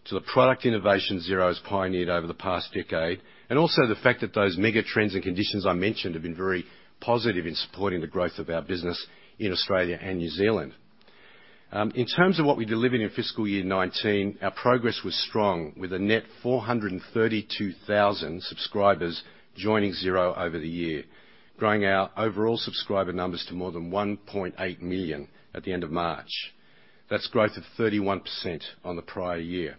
to the product innovation Xero has pioneered over the past decade, and also the fact that those mega trends and conditions I mentioned have been very positive in supporting the growth of our business in Australia and New Zealand. In terms of what we delivered in fiscal year 2019, our progress was strong, with a net 432,000 subscribers joining Xero over the year, growing our overall subscriber numbers to more than 1.8 million at the end of March. That's growth of 31% on the prior year.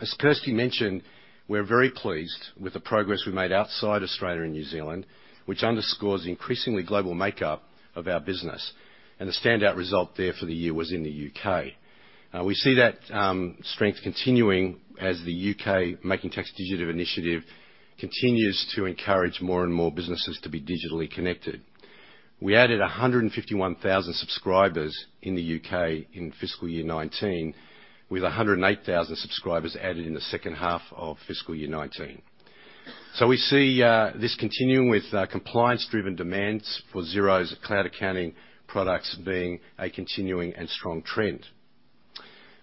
As Kirsty mentioned, we're very pleased with the progress we made outside Australia and New Zealand, which underscores the increasingly global makeup of our business, and the standout result there for the year was in the U.K. We see that strength continuing as the U.K. Making Tax Digital initiative continues to encourage more and more businesses to be digitally connected. We added 151,000 subscribers in the U.K. in fiscal year 2019, with 108,000 subscribers added in the second half of fiscal year 2019. We see this continuing with compliance-driven demands for Xero's cloud accounting products being a continuing and strong trend.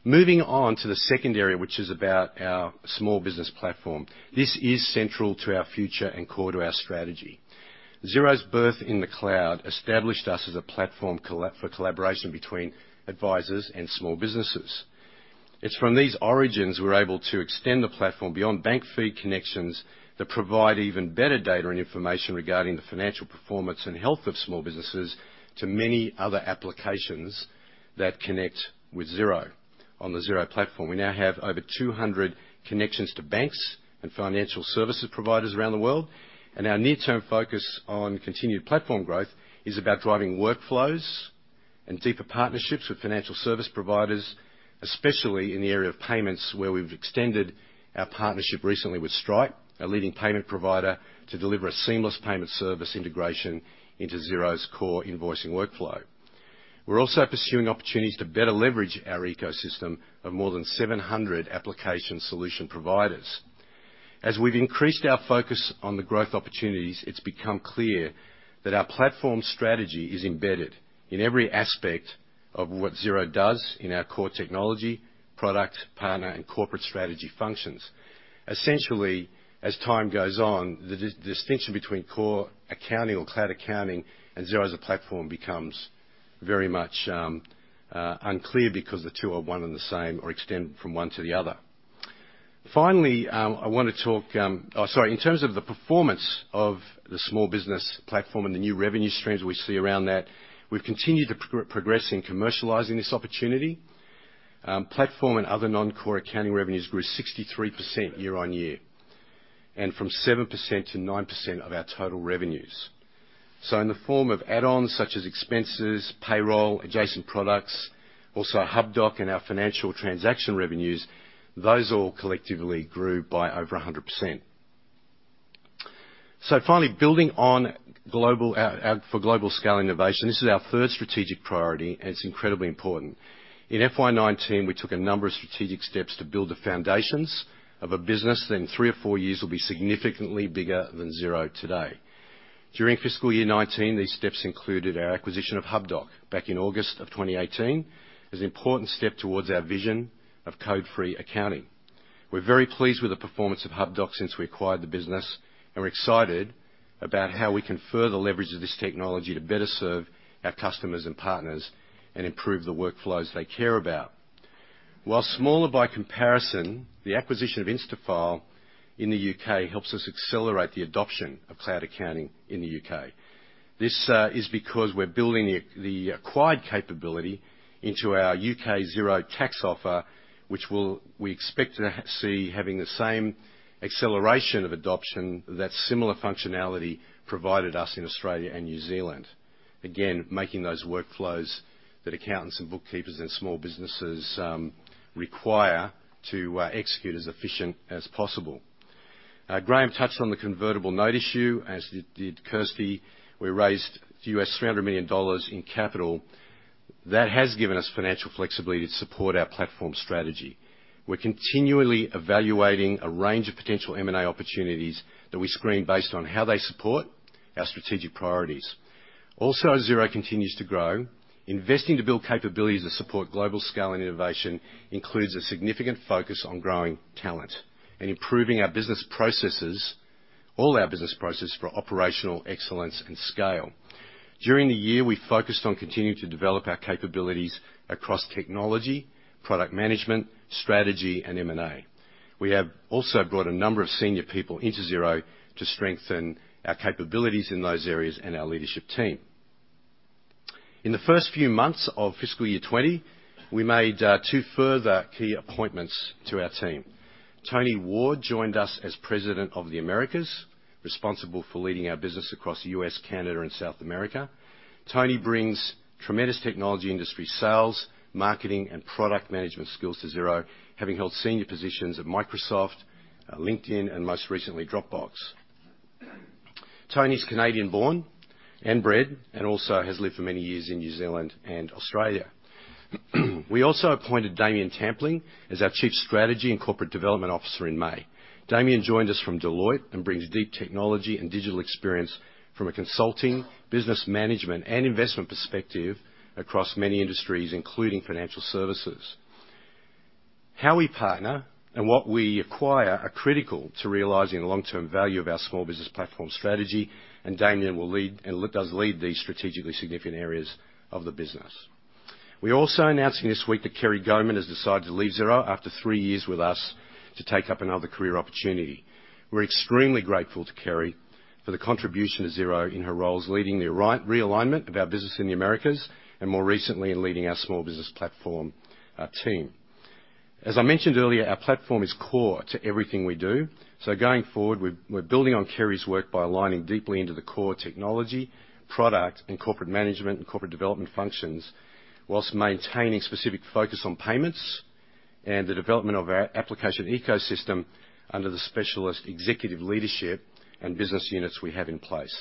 Moving on to the second area, which is about our small business platform. This is central to our future and core to our strategy. Xero's birth in the cloud established us as a platform for collaboration between advisors and small businesses. It's from these origins, we're able to extend the platform beyond bank feed connections that provide even better data and information regarding the financial performance and health of small businesses to many other applications that connect with Xero on the Xero platform. We now have over 200 connections to banks and financial services providers around the world, and our near-term focus on continued platform growth is about driving workflows and deeper partnerships with financial service providers, especially in the area of payments, where we've extended our partnership recently with Stripe, a leading payment provider, to deliver a seamless payment service integration into Xero's core invoicing workflow. We're also pursuing opportunities to better leverage our ecosystem of more than 700 application solution providers. As we've increased our focus on the growth opportunities, it's become clear that our platform strategy is embedded in every aspect of what Xero does in our core technology, product, partner, and corporate strategy functions. Essentially, as time goes on, the distinction between core accounting or cloud accounting and Xero as a platform becomes very much unclear because the two are one and the same or extend from one to the other. In terms of the performance of the small business platform and the new revenue streams we see around that, we've continued to progress in commercializing this opportunity. Platform and other non-core accounting revenues grew 63% year-on-year, and from 7% to 9% of our total revenues. In the form of add-ons such as expenses, payroll, adjacent products, also Hubdoc and our financial transaction revenues, those all collectively grew by over 100%. Finally, building on for global scale innovation. This is our third strategic priority, and it's incredibly important. In FY 2019, we took a number of strategic steps to build the foundations of a business that in three or four years will be significantly bigger than Xero today. During fiscal year 2019, these steps included our acquisition of Hubdoc back in August of 2018, as an important step towards our vision of code-free accounting. We're very pleased with the performance of Hubdoc since we acquired the business, and we're excited about how we can further leverage this technology to better serve our customers and partners and improve the workflows they care about. While smaller by comparison, the acquisition of Instafile in the U.K. helps us accelerate the adoption of cloud accounting in the U.K. This is because we're building the acquired capability into our U.K. Xero tax offer, which we expect to see having the same acceleration of adoption that similar functionality provided us in Australia and New Zealand. Making those workflows that accountants and bookkeepers and small businesses require to execute as efficient as possible. Graham touched on the convertible note issue, as did Kirsty. We raised 300 million US dollars in capital. That has given us financial flexibility to support our platform strategy. We're continually evaluating a range of potential M&A opportunities that we screen based on how they support our strategic priorities. As Xero continues to grow, investing to build capabilities to support global scale and innovation includes a significant focus on growing talent and improving our business processes, all our business processes for operational excellence and scale. During the year, we focused on continuing to develop our capabilities across technology, product management, strategy, and M&A. We have also brought a number of senior people into Xero to strengthen our capabilities in those areas and our leadership team. In the first few months of fiscal year 2020, we made two further key appointments to our team. Tony Ward joined us as President of the Americas, responsible for leading our business across the U.S., Canada, and South America. Tony brings tremendous technology industry sales, marketing, and product management skills to Xero, having held senior positions at Microsoft, LinkedIn, and most recently, Dropbox. Tony's Canadian born and bred and also has lived for many years in New Zealand and Australia. We also appointed Damien Tampling as our Chief Strategy and Corporate Development Officer in May. Damien joined us from Deloitte and brings deep technology and digital experience from a consulting, business management, and investment perspective across many industries, including financial services. How we partner and what we acquire are critical to realizing the long-term value of our small business platform strategy, and Damien does lead these strategically significant areas of the business. We're also announcing this week that Keri Gohman has decided to leave Xero after three years with us to take up another career opportunity. We're extremely grateful to Keri for the contribution to Xero in her roles, leading the realignment of our business in the Americas, and more recently, in leading our small business platform team. As I mentioned earlier, our platform is core to everything we do. Going forward, we're building on Keri's work by aligning deeply into the core technology, product, and corporate management and corporate development functions, while maintaining specific focus on payments and the development of our application ecosystem under the specialist executive leadership and business units we have in place.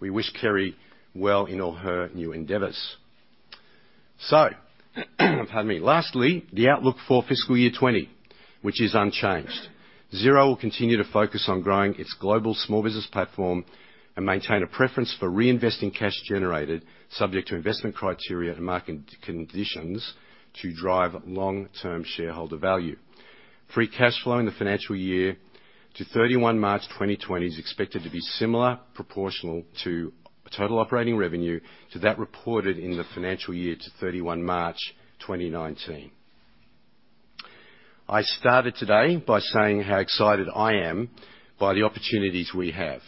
We wish Keri well in all her new endeavors. Pardon me. Lastly, the outlook for fiscal year 2020, which is unchanged. Xero will continue to focus on growing its global small business platform and maintain a preference for reinvesting cash generated subject to investment criteria and market conditions to drive long-term shareholder value. Free cash flow in the financial year to 31 March 2020 is expected to be similar, proportional to total operating revenue to that reported in the financial year to 31 March 2019. I started today by saying how excited I am by the opportunities we have,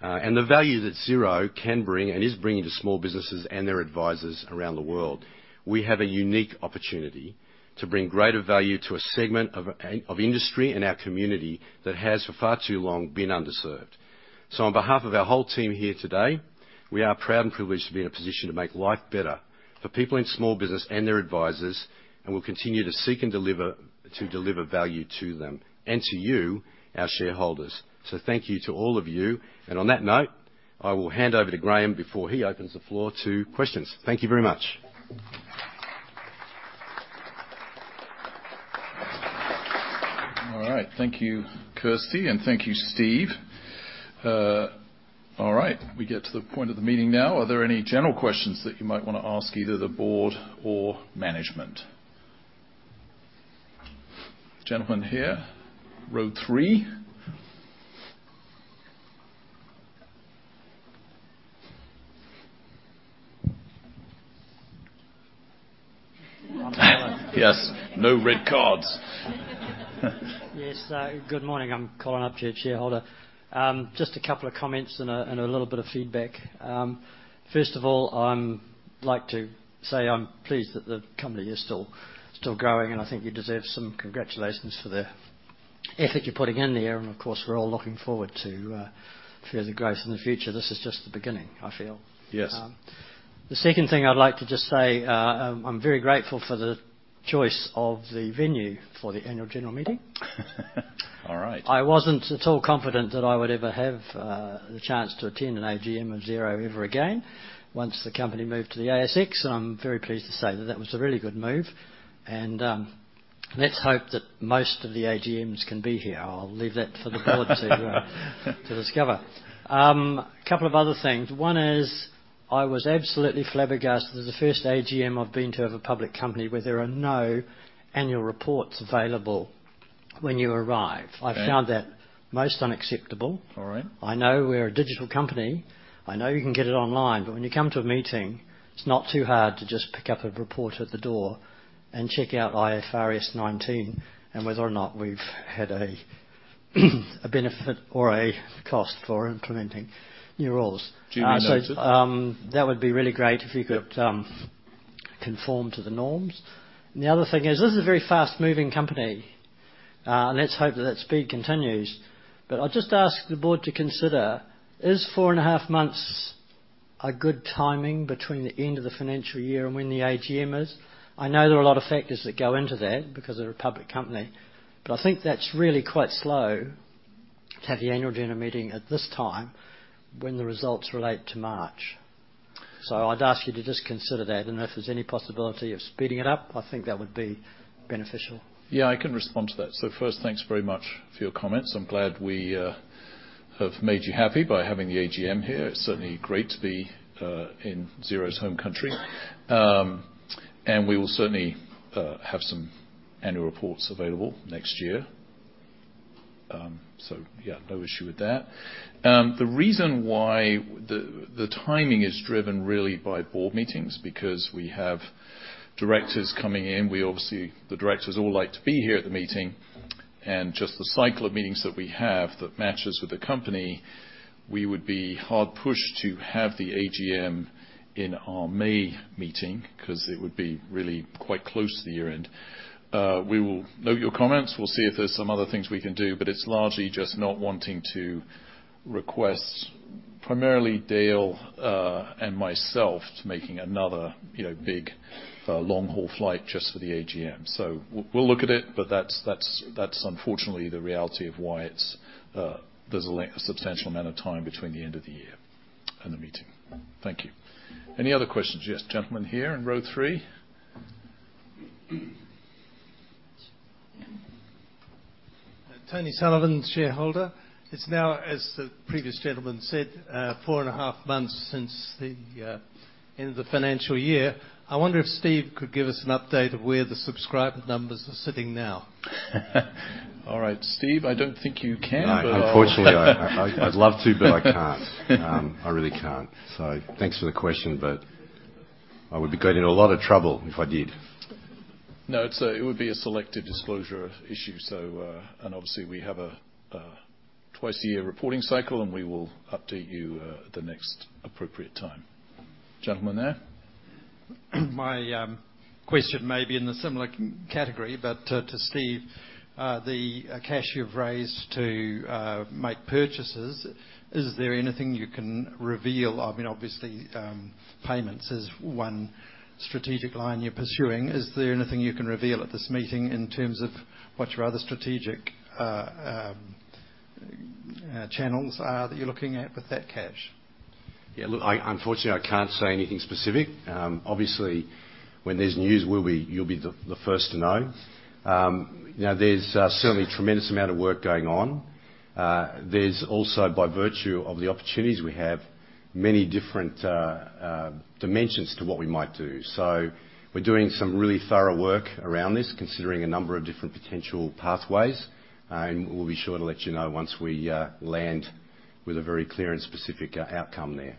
and the value that Xero can bring and is bringing to small businesses and their advisors around the world. We have a unique opportunity to bring greater value to a segment of industry and our community that has for far too long been underserved. On behalf of our whole team here today, we are proud and privileged to be in a position to make life better for people in small business and their advisors, and we'll continue to seek and to deliver value to them, and to you, our shareholders. Thank you to all of you. On that note, I will hand over to Graham before he opens the floor to questions. Thank you very much. All right. Thank you, Kirsty, and thank you, Steve. All right. We get to the point of the meeting now. Are there any general questions that you might want to ask either the board or management? Gentleman here, row three. Yes. No red cards. Yes. Good morning. I'm Colin Upchurch, shareholder. Just a couple of comments and a little bit of feedback. First of all, I'd like to say I'm pleased that the company is still growing. I think you deserve some congratulations for the ethic you're putting in there. Of course, we're all looking forward to further growth in the future. This is just the beginning, I feel. Yes. The second thing I'd like to just say, I'm very grateful for the choice of the venue for the annual general meeting. All right. I wasn't at all confident that I would ever have the chance to attend an AGM of Xero ever again once the company moved to the ASX. I'm very pleased to say that that was a really good move. Let's hope that most of the AGMs can be here. I'll leave that for the board to discover. A couple of other things. One is, I was absolutely flabbergasted at the first AGM I've been to of a public company where there are no annual reports available when you arrive. Okay. I found that most unacceptable. All right. I know we're a digital company. I know you can get it online. When you come to a meeting, it's not too hard to just pick up a report at the door and check out IFRS 19 and whether or not we've had a benefit or a cost for implementing new rules. Do you mean noted? That would be really great if you could. Yep conform to the norms. The other thing is, this is a very fast-moving company. Let's hope that that speed continues. I'll just ask the board to consider, is four and a half months a good timing between the end of the financial year and when the AGM is? I know there are a lot of factors that go into that because we're a public company, but I think that's really quite slow to have the annual general meeting at this time when the results relate to March. I'd ask you to just consider that, and if there's any possibility of speeding it up, I think that would be beneficial. Yeah, I can respond to that. First, thanks very much for your comments. I'm glad we have made you happy by having the AGM here. It's certainly great to be in Xero's home country. We will certainly have some annual reports available next year. Yeah, no issue with that. The reason why the timing is driven really by board meetings because we have directors coming in. The directors all like to be here at the meeting. Just the cycle of meetings that we have that matches with the company, we would be hard pushed to have the AGM in our May meeting because it would be really quite close to the year-end. We will note your comments. We'll see if there's some other things we can do, but it's largely just not wanting to request primarily Dale and myself to making another big long-haul flight just for the AGM. We'll look at it, but that's unfortunately the reality of why there's a substantial amount of time between the end of the year and the meeting. Thank you. Any other questions? Yes, gentleman here in row three. Tony Sullivan, shareholder. It's now, as the previous gentleman said, four and a half months since the end of the financial year. I wonder if Steve could give us an update of where the subscriber numbers are sitting now. All right, Steve, I don't think you can. No, unfortunately, I'd love to, but I can't. I really can't. Thanks for the question, but I would be getting in a lot of trouble if I did. No, it would be a selective disclosure issue. Obviously, we have a twice-a-year reporting cycle, and we will update you at the next appropriate time. Gentleman there. My question may be in the similar category, but to Steve, the cash you've raised to make purchases, is there anything you can reveal? Obviously, payments is one strategic line you're pursuing. Is there anything you can reveal at this meeting in terms of what your other strategic? channels that you're looking at with that cash? Yeah. Look, unfortunately, I can't say anything specific. Obviously, when there's news, you'll be the first to know. There's certainly a tremendous amount of work going on. There's also, by virtue of the opportunities we have, many different dimensions to what we might do. We're doing some really thorough work around this, considering a number of different potential pathways. We'll be sure to let you know once we land with a very clear and specific outcome there.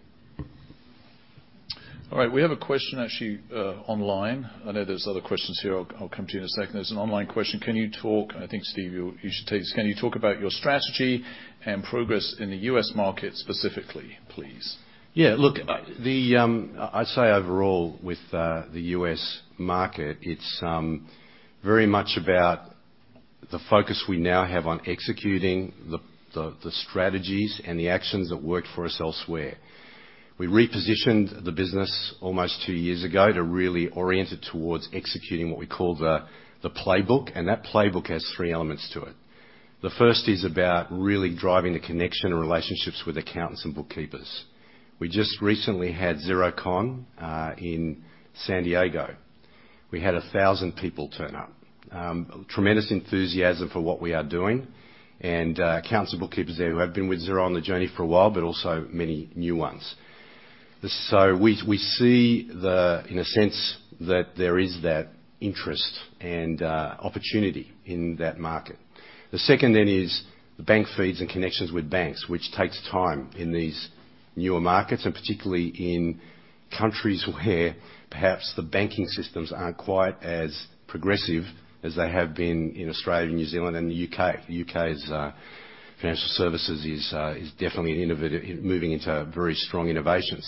All right. We have a question actually online. I know there's other questions here. I'll come to you in a second. There's an online question. I think, Steve, you should take this. Can you talk about your strategy and progress in the U.S. market specifically, please? Look, I'd say overall with the U.S. market, it's very much about the focus we now have on executing the strategies and the actions that worked for us elsewhere. We repositioned the business almost two years ago to really orient it towards executing what we call the playbook, and that playbook has three elements to it. The first is about really driving the connection and relationships with accountants and bookkeepers. We just recently had XeroCon, in San Diego. We had 1,000 people turn up. Tremendous enthusiasm for what we are doing, and accountants and bookkeepers there who have been with Xero on the journey for a while, but also many new ones. We see, in a sense, that there is that interest and opportunity in that market. The second is the bank feeds and connections with banks, which takes time in these newer markets, and particularly in countries where perhaps the banking systems aren't quite as progressive as they have been in Australia, New Zealand, and the U.K. The U.K.'s financial services is definitely moving into very strong innovation.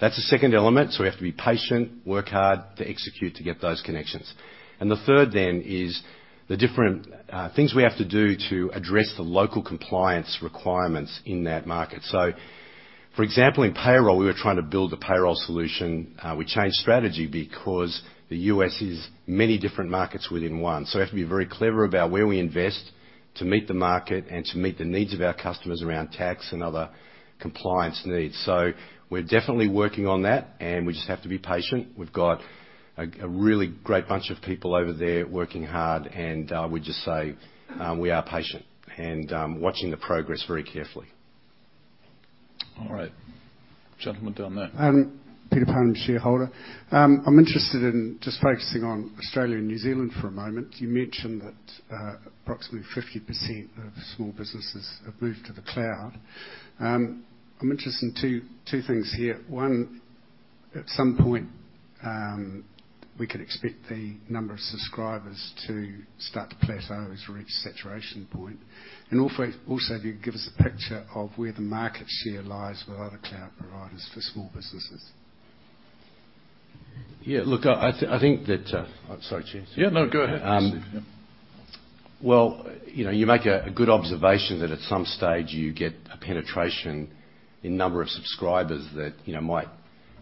That's the second element. We have to be patient, work hard to execute to get those connections. The third then is the different things we have to do to address the local compliance requirements in that market. For example, in payroll, we were trying to build a payroll solution. We changed strategy because the U.S. is many different markets within one. We have to be very clever about where we invest to meet the market and to meet the needs of our customers around tax and other compliance needs. We're definitely working on that, and we just have to be patient. We've got a really great bunch of people over there working hard, and I would just say we are patient and watching the progress very carefully. All right. Gentleman down there. Peter Pan, shareholder. I'm interested in just focusing on Australia and New Zealand for a moment. You mentioned that approximately 50% of small businesses have moved to the cloud. I'm interested in two things here. One, at some point, we could expect the number of subscribers to start to plateau as we reach saturation point. Also, if you could give us a picture of where the market share lies with other cloud providers for small businesses. Yeah. Sorry, Chair. Yeah, no. Go ahead, Steve. Yeah. Well, you make a good observation that at some stage you get a penetration in number of subscribers that might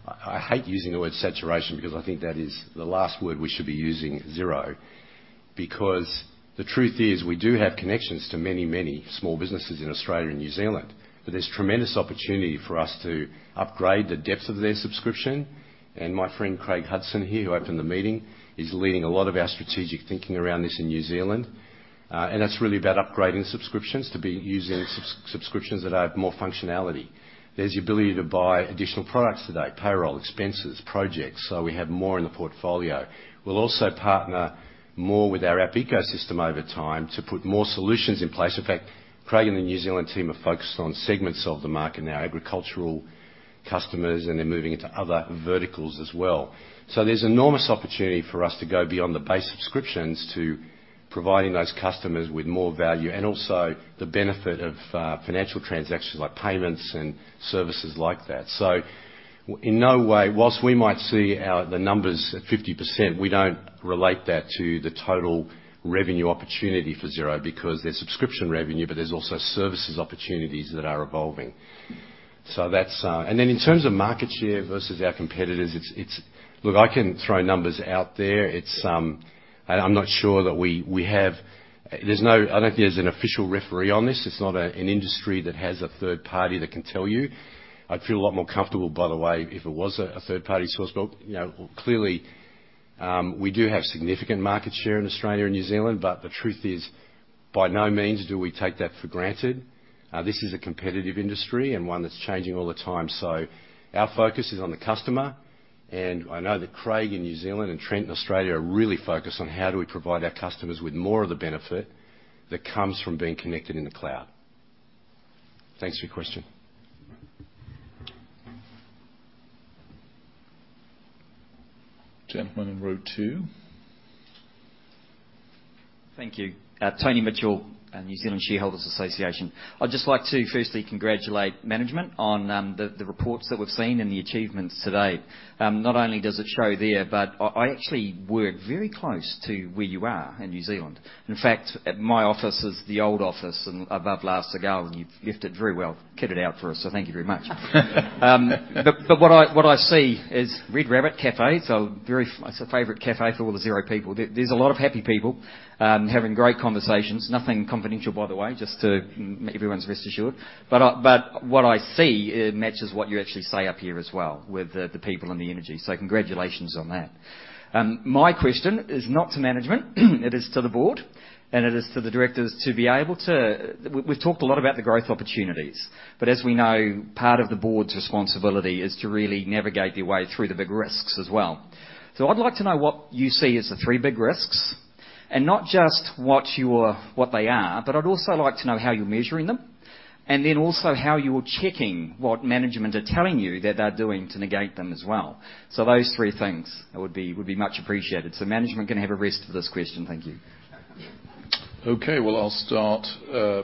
I hate using the word saturation because I think that is the last word we should be using at Xero. The truth is, we do have connections to many, many small businesses in Australia and New Zealand, but there's tremendous opportunity for us to upgrade the depth of their subscription. My friend Craig Hudson here, who opened the meeting, is leading a lot of our strategic thinking around this in New Zealand. That's really about upgrading subscriptions to be using subscriptions that have more functionality. There's the ability to buy additional products today, payroll, expenses, projects. We have more in the portfolio. We'll also partner more with our app ecosystem over time to put more solutions in place. In fact, Craig and the New Zealand team are focused on segments of the market now, agricultural customers, and they're moving into other verticals as well. There's enormous opportunity for us to go beyond the base subscriptions to providing those customers with more value, and also the benefit of financial transactions like payments and services like that. In no way, whilst we might see the numbers at 50%, we don't relate that to the total revenue opportunity for Xero because there's subscription revenue, but there's also services opportunities that are evolving. In terms of market share versus our competitors, look, I can throw numbers out there. I'm not sure that we have I don't think there's an official referee on this. It's not an industry that has a third party that can tell you. I'd feel a lot more comfortable, by the way, if it was a third-party source. Clearly, we do have significant market share in Australia and New Zealand. The truth is, by no means do we take that for granted. This is a competitive industry and one that's changing all the time. Our focus is on the customer, and I know that Craig in New Zealand and Trent in Australia are really focused on how do we provide our customers with more of the benefit that comes from being connected in the cloud. Thanks for your question. Gentleman in row two. Thank you. Tony Mitchell, New Zealand Shareholders' Association. I'd just like to firstly congratulate management on the reports that we've seen and the achievements today. Not only does it show there, I actually work very close to where you are in New Zealand. In fact, my office is the old office above La Cigale, and you've left it very well kitted out for us, so thank you very much. What I see is Red Rabbit Cafe. It's a favorite cafe for all the Xero people. There's a lot of happy people having great conversations, nothing confidential, by the way, just to everyone's rest assured. What I see matches what you actually say up here as well, with the people and the energy. Congratulations on that. My question is not to management, it is to the board, and it is to the directors. We've talked a lot about the growth opportunities, but as we know, part of the board's responsibility is to really navigate their way through the big risks as well. I'd like to know what you see as the three big risks, and not just what they are, but I'd also like to know how you're measuring them, and then also how you're checking what management are telling you that they're doing to negate them as well. Those three things would be much appreciated. Management can have a rest for this question. Thank you. Okay. Well, I'll start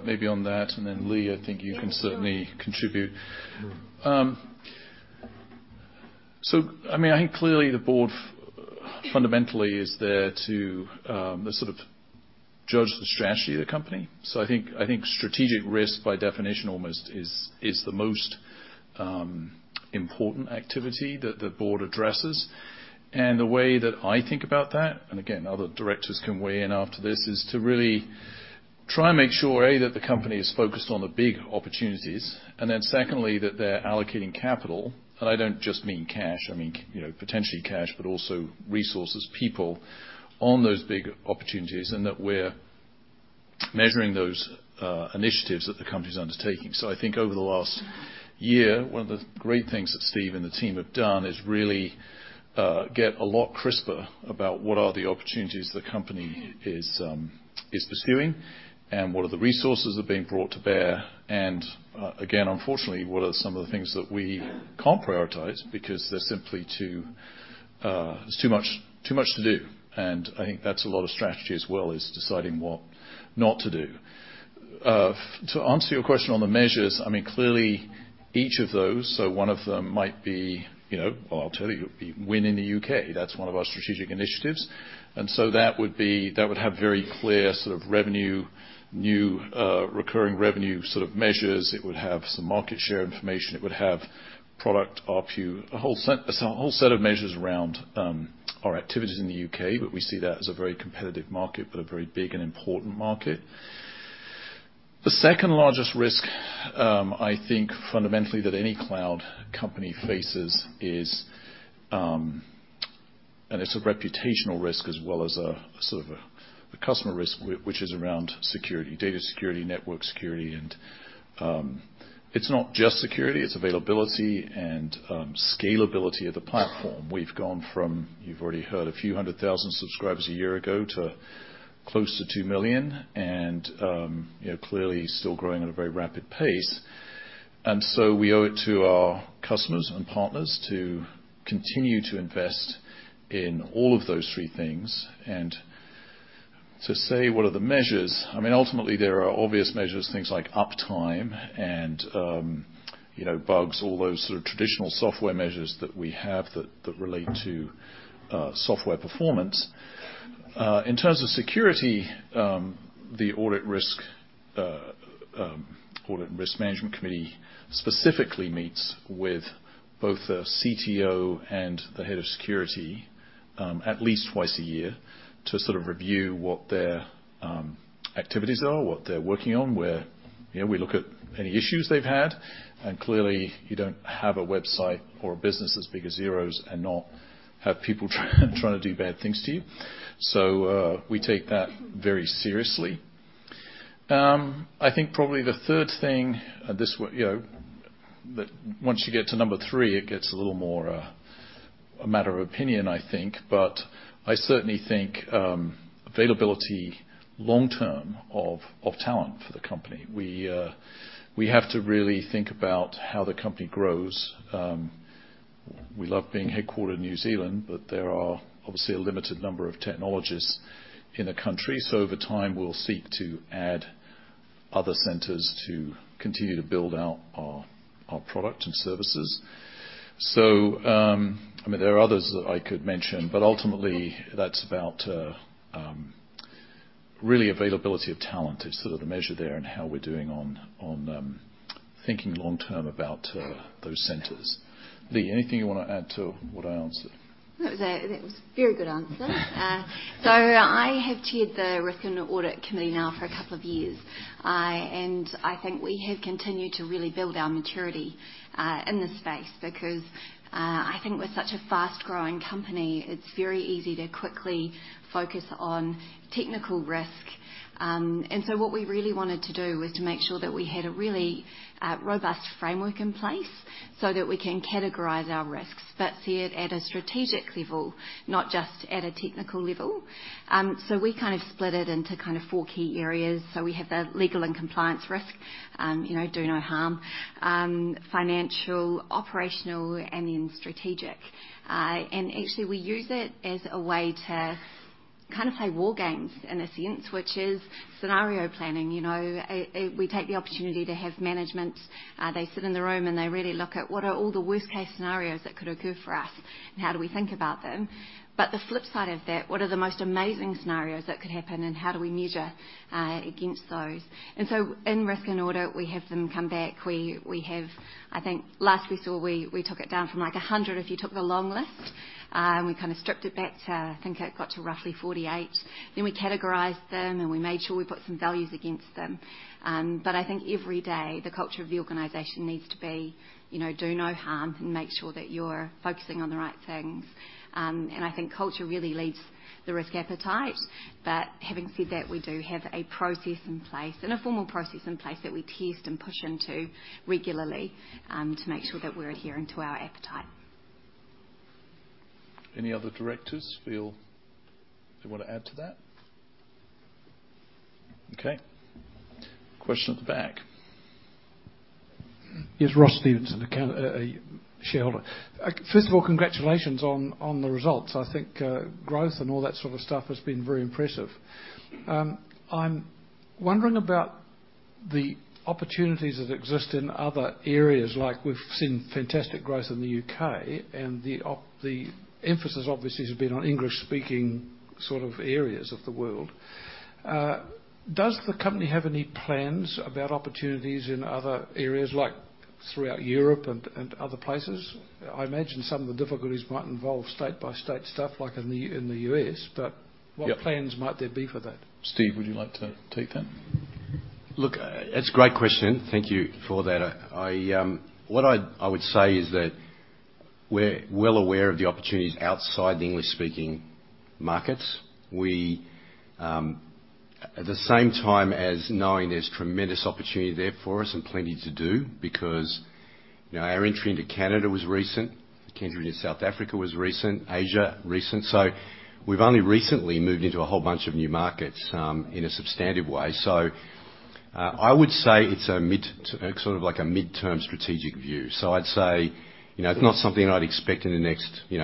maybe on that, and then Lee, I think you can certainly contribute. I think clearly the board fundamentally is there to sort of judge the strategy of the company. I think strategic risk, by definition almost, is the most important activity that the board addresses. The way that I think about that, and again, other directors can weigh in after this, is to really try and make sure, A, that the company is focused on the big opportunities. Secondly, that they're allocating capital. I don't just mean cash, I mean potentially cash, but also resources, people, on those big opportunities, and that we're measuring those initiatives that the company's undertaking. I think over the last year, one of the great things that Steve and the team have done is really get a lot crisper about what are the opportunities the company is pursuing and what are the resources that are being brought to bear. Again, unfortunately, what are some of the things that we can't prioritize because there's too much to do. I think that's a lot of strategy as well, is deciding what not to do. To answer your question on the measures, clearly each of those, so one of them might be, I'll tell you, win in the U.K. That's one of our strategic initiatives. That would have very clear sort of revenue, new recurring revenue sort of measures. It would have some market share information. It would have product ARPU. A whole set of measures around our activities in the U.K., but we see that as a very competitive market, but a very big and important market. The second largest risk, I think, fundamentally that any cloud company faces is, and it's a reputational risk as well as a customer risk, which is around security. Data security, network security. It's not just security, it's availability and scalability of the platform. We've gone from, you've already heard, a few hundred thousand subscribers a year ago to close to 2 million, and clearly still growing at a very rapid pace. We owe it to our customers and partners to continue to invest in all of those three things. To say, what are the measures? Ultimately, there are obvious measures, things like uptime and bugs, all those sort of traditional software measures that we have that relate to software performance. In terms of security, the audit and risk management committee specifically meets with both the CTO and the head of security, at least twice a year to sort of review what their activities are, what they're working on. Clearly you don't have a website or a business as big as Xero's and not have people trying to do bad things to you. We take that very seriously. I think probably the third thing, that once you get to number 3, it gets a little more a matter of opinion, I think. I certainly think availability long-term of talent for the company. We have to really think about how the company grows. We love being headquartered in New Zealand, but there are obviously a limited number of technologists in the country. Over time, we'll seek to add other centers to continue to build out our product and services. There are others that I could mention, ultimately, that's about really availability of talent is sort of the measure there and how we're doing on thinking long-term about those centers. Lee, anything you want to add to what I answered? No. That was a very good answer. I have chaired the Risk and Audit Committee now for a couple of years. I think we have continued to really build our maturity in this space, because I think we're such a fast-growing company, it's very easy to quickly focus on technical risk. What we really wanted to do was to make sure that we had a really robust framework in place so that we can categorize our risks, but see it at a strategic level, not just at a technical level. We kind of split it into kind of 4 key areas. We have the legal and compliance risk, do no harm. Financial, operational, and then strategic. Actually, we use it as a way to kind of play war games in a sense, which is scenario planning. We take the opportunity to have management. They sit in the room, they really look at what are all the worst case scenarios that could occur for us, and how do we think about them. The flip side of that, what are the most amazing scenarios that could happen, and how do we measure against those? In Risk and Audit, we have them come back. I think last we saw, we took it down from like 100, if you took the long list. We kind of stripped it back to, I think, it got to roughly 48. We categorized them, and we made sure we put some values against them. I think every day the culture of the organization needs to be do no harm and make sure that you're focusing on the right things. I think culture really leads the risk appetite. Having said that, we do have a process in place, and a formal process in place, that we test and push into regularly to make sure that we're adhering to our appetite. Any other directors feel they want to add to that? Okay. Question at the back. Yes, Ross Stevenson, a shareholder. First of all, congratulations on the results. I think growth and all that sort of stuff has been very impressive. I'm wondering about the opportunities that exist in other areas. We've seen fantastic growth in the U.K., and the emphasis obviously has been on English-speaking sort of areas of the world. Does the company have any plans about opportunities in other areas, like throughout Europe and other places? I imagine some of the difficulties might involve state-by-state stuff like in the U.S., but what plans might there be for that? Steve, would you like to take that? Look, it's a great question. Thank you for that. What I would say is that we're well aware of the opportunities outside the English-speaking markets. At the same time as knowing there's tremendous opportunity there for us and plenty to do because our entry into Canada was recent, entry into South Africa was recent, Asia, recent. We've only recently moved into a whole bunch of new markets in a substantive way. I would say it's sort of like a midterm strategic view. I'd say it's not something I'd expect in the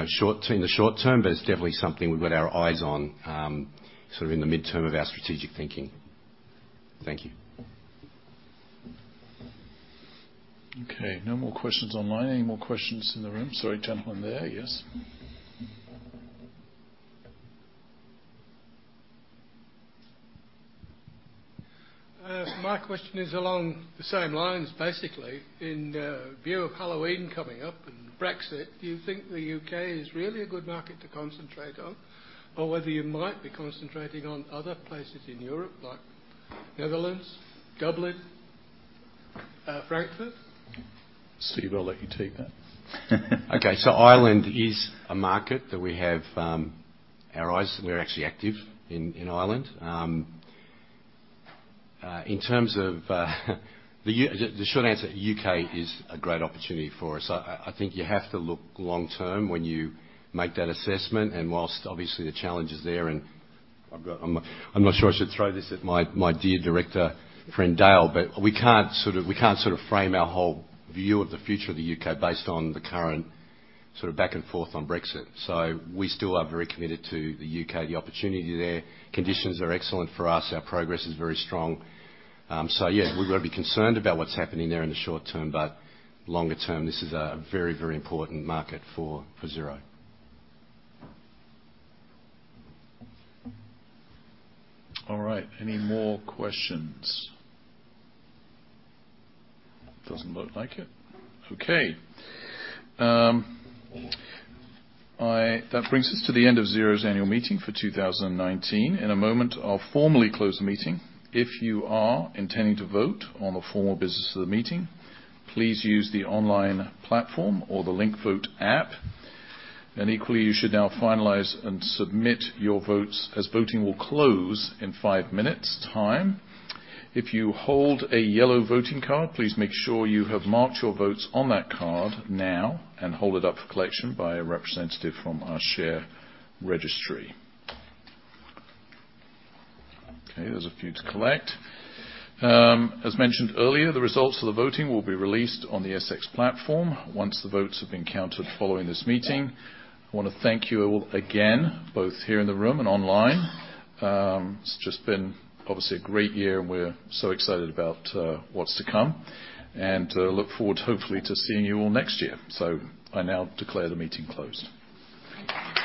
short term, but it's definitely something we've got our eyes on sort of in the midterm of our strategic thinking. Thank you. No more questions online. Any more questions in the room? Sorry, gentleman there. Yes. My question is along the same lines, basically. In view of Halloween coming up and Brexit, do you think the U.K. is really a good market to concentrate on? Whether you might be concentrating on other places in Europe like Netherlands, Dublin, Frankfurt? Steve, I'll let you take that. Okay. Ireland is a market that we have our eyes, we're actually active in Ireland. The short answer, U.K. is a great opportunity for us. I think you have to look long term when you make that assessment. While obviously the challenge is there, I'm not sure I should throw this at my dear director friend, Dale, but we can't sort of frame our whole view of the future of the U.K. based on the current sort of back and forth on Brexit. We still are very committed to the U.K. The opportunity there, conditions are excellent for us. Our progress is very strong. Yeah, we've got to be concerned about what's happening there in the short term, but longer term, this is a very, very important market for Xero. All right. Any more questions? Doesn't look like it. Okay. That brings us to the end of Xero's annual meeting for 2019. In a moment, I'll formally close the meeting. If you are intending to vote on the formal business of the meeting, please use the online platform or the LinkVote app. Equally, you should now finalize and submit your votes as voting will close in five minutes' time. If you hold a yellow voting card, please make sure you have marked your votes on that card now and hold it up for collection by a representative from our share registry. Okay, there's a few to collect. As mentioned earlier, the results of the voting will be released on the ASX platform once the votes have been counted following this meeting. I want to thank you all again, both here in the room and online. It's just been obviously a great year and we're so excited about what's to come. Look forward, hopefully, to seeing you all next year. I now declare the meeting closed. Thank you.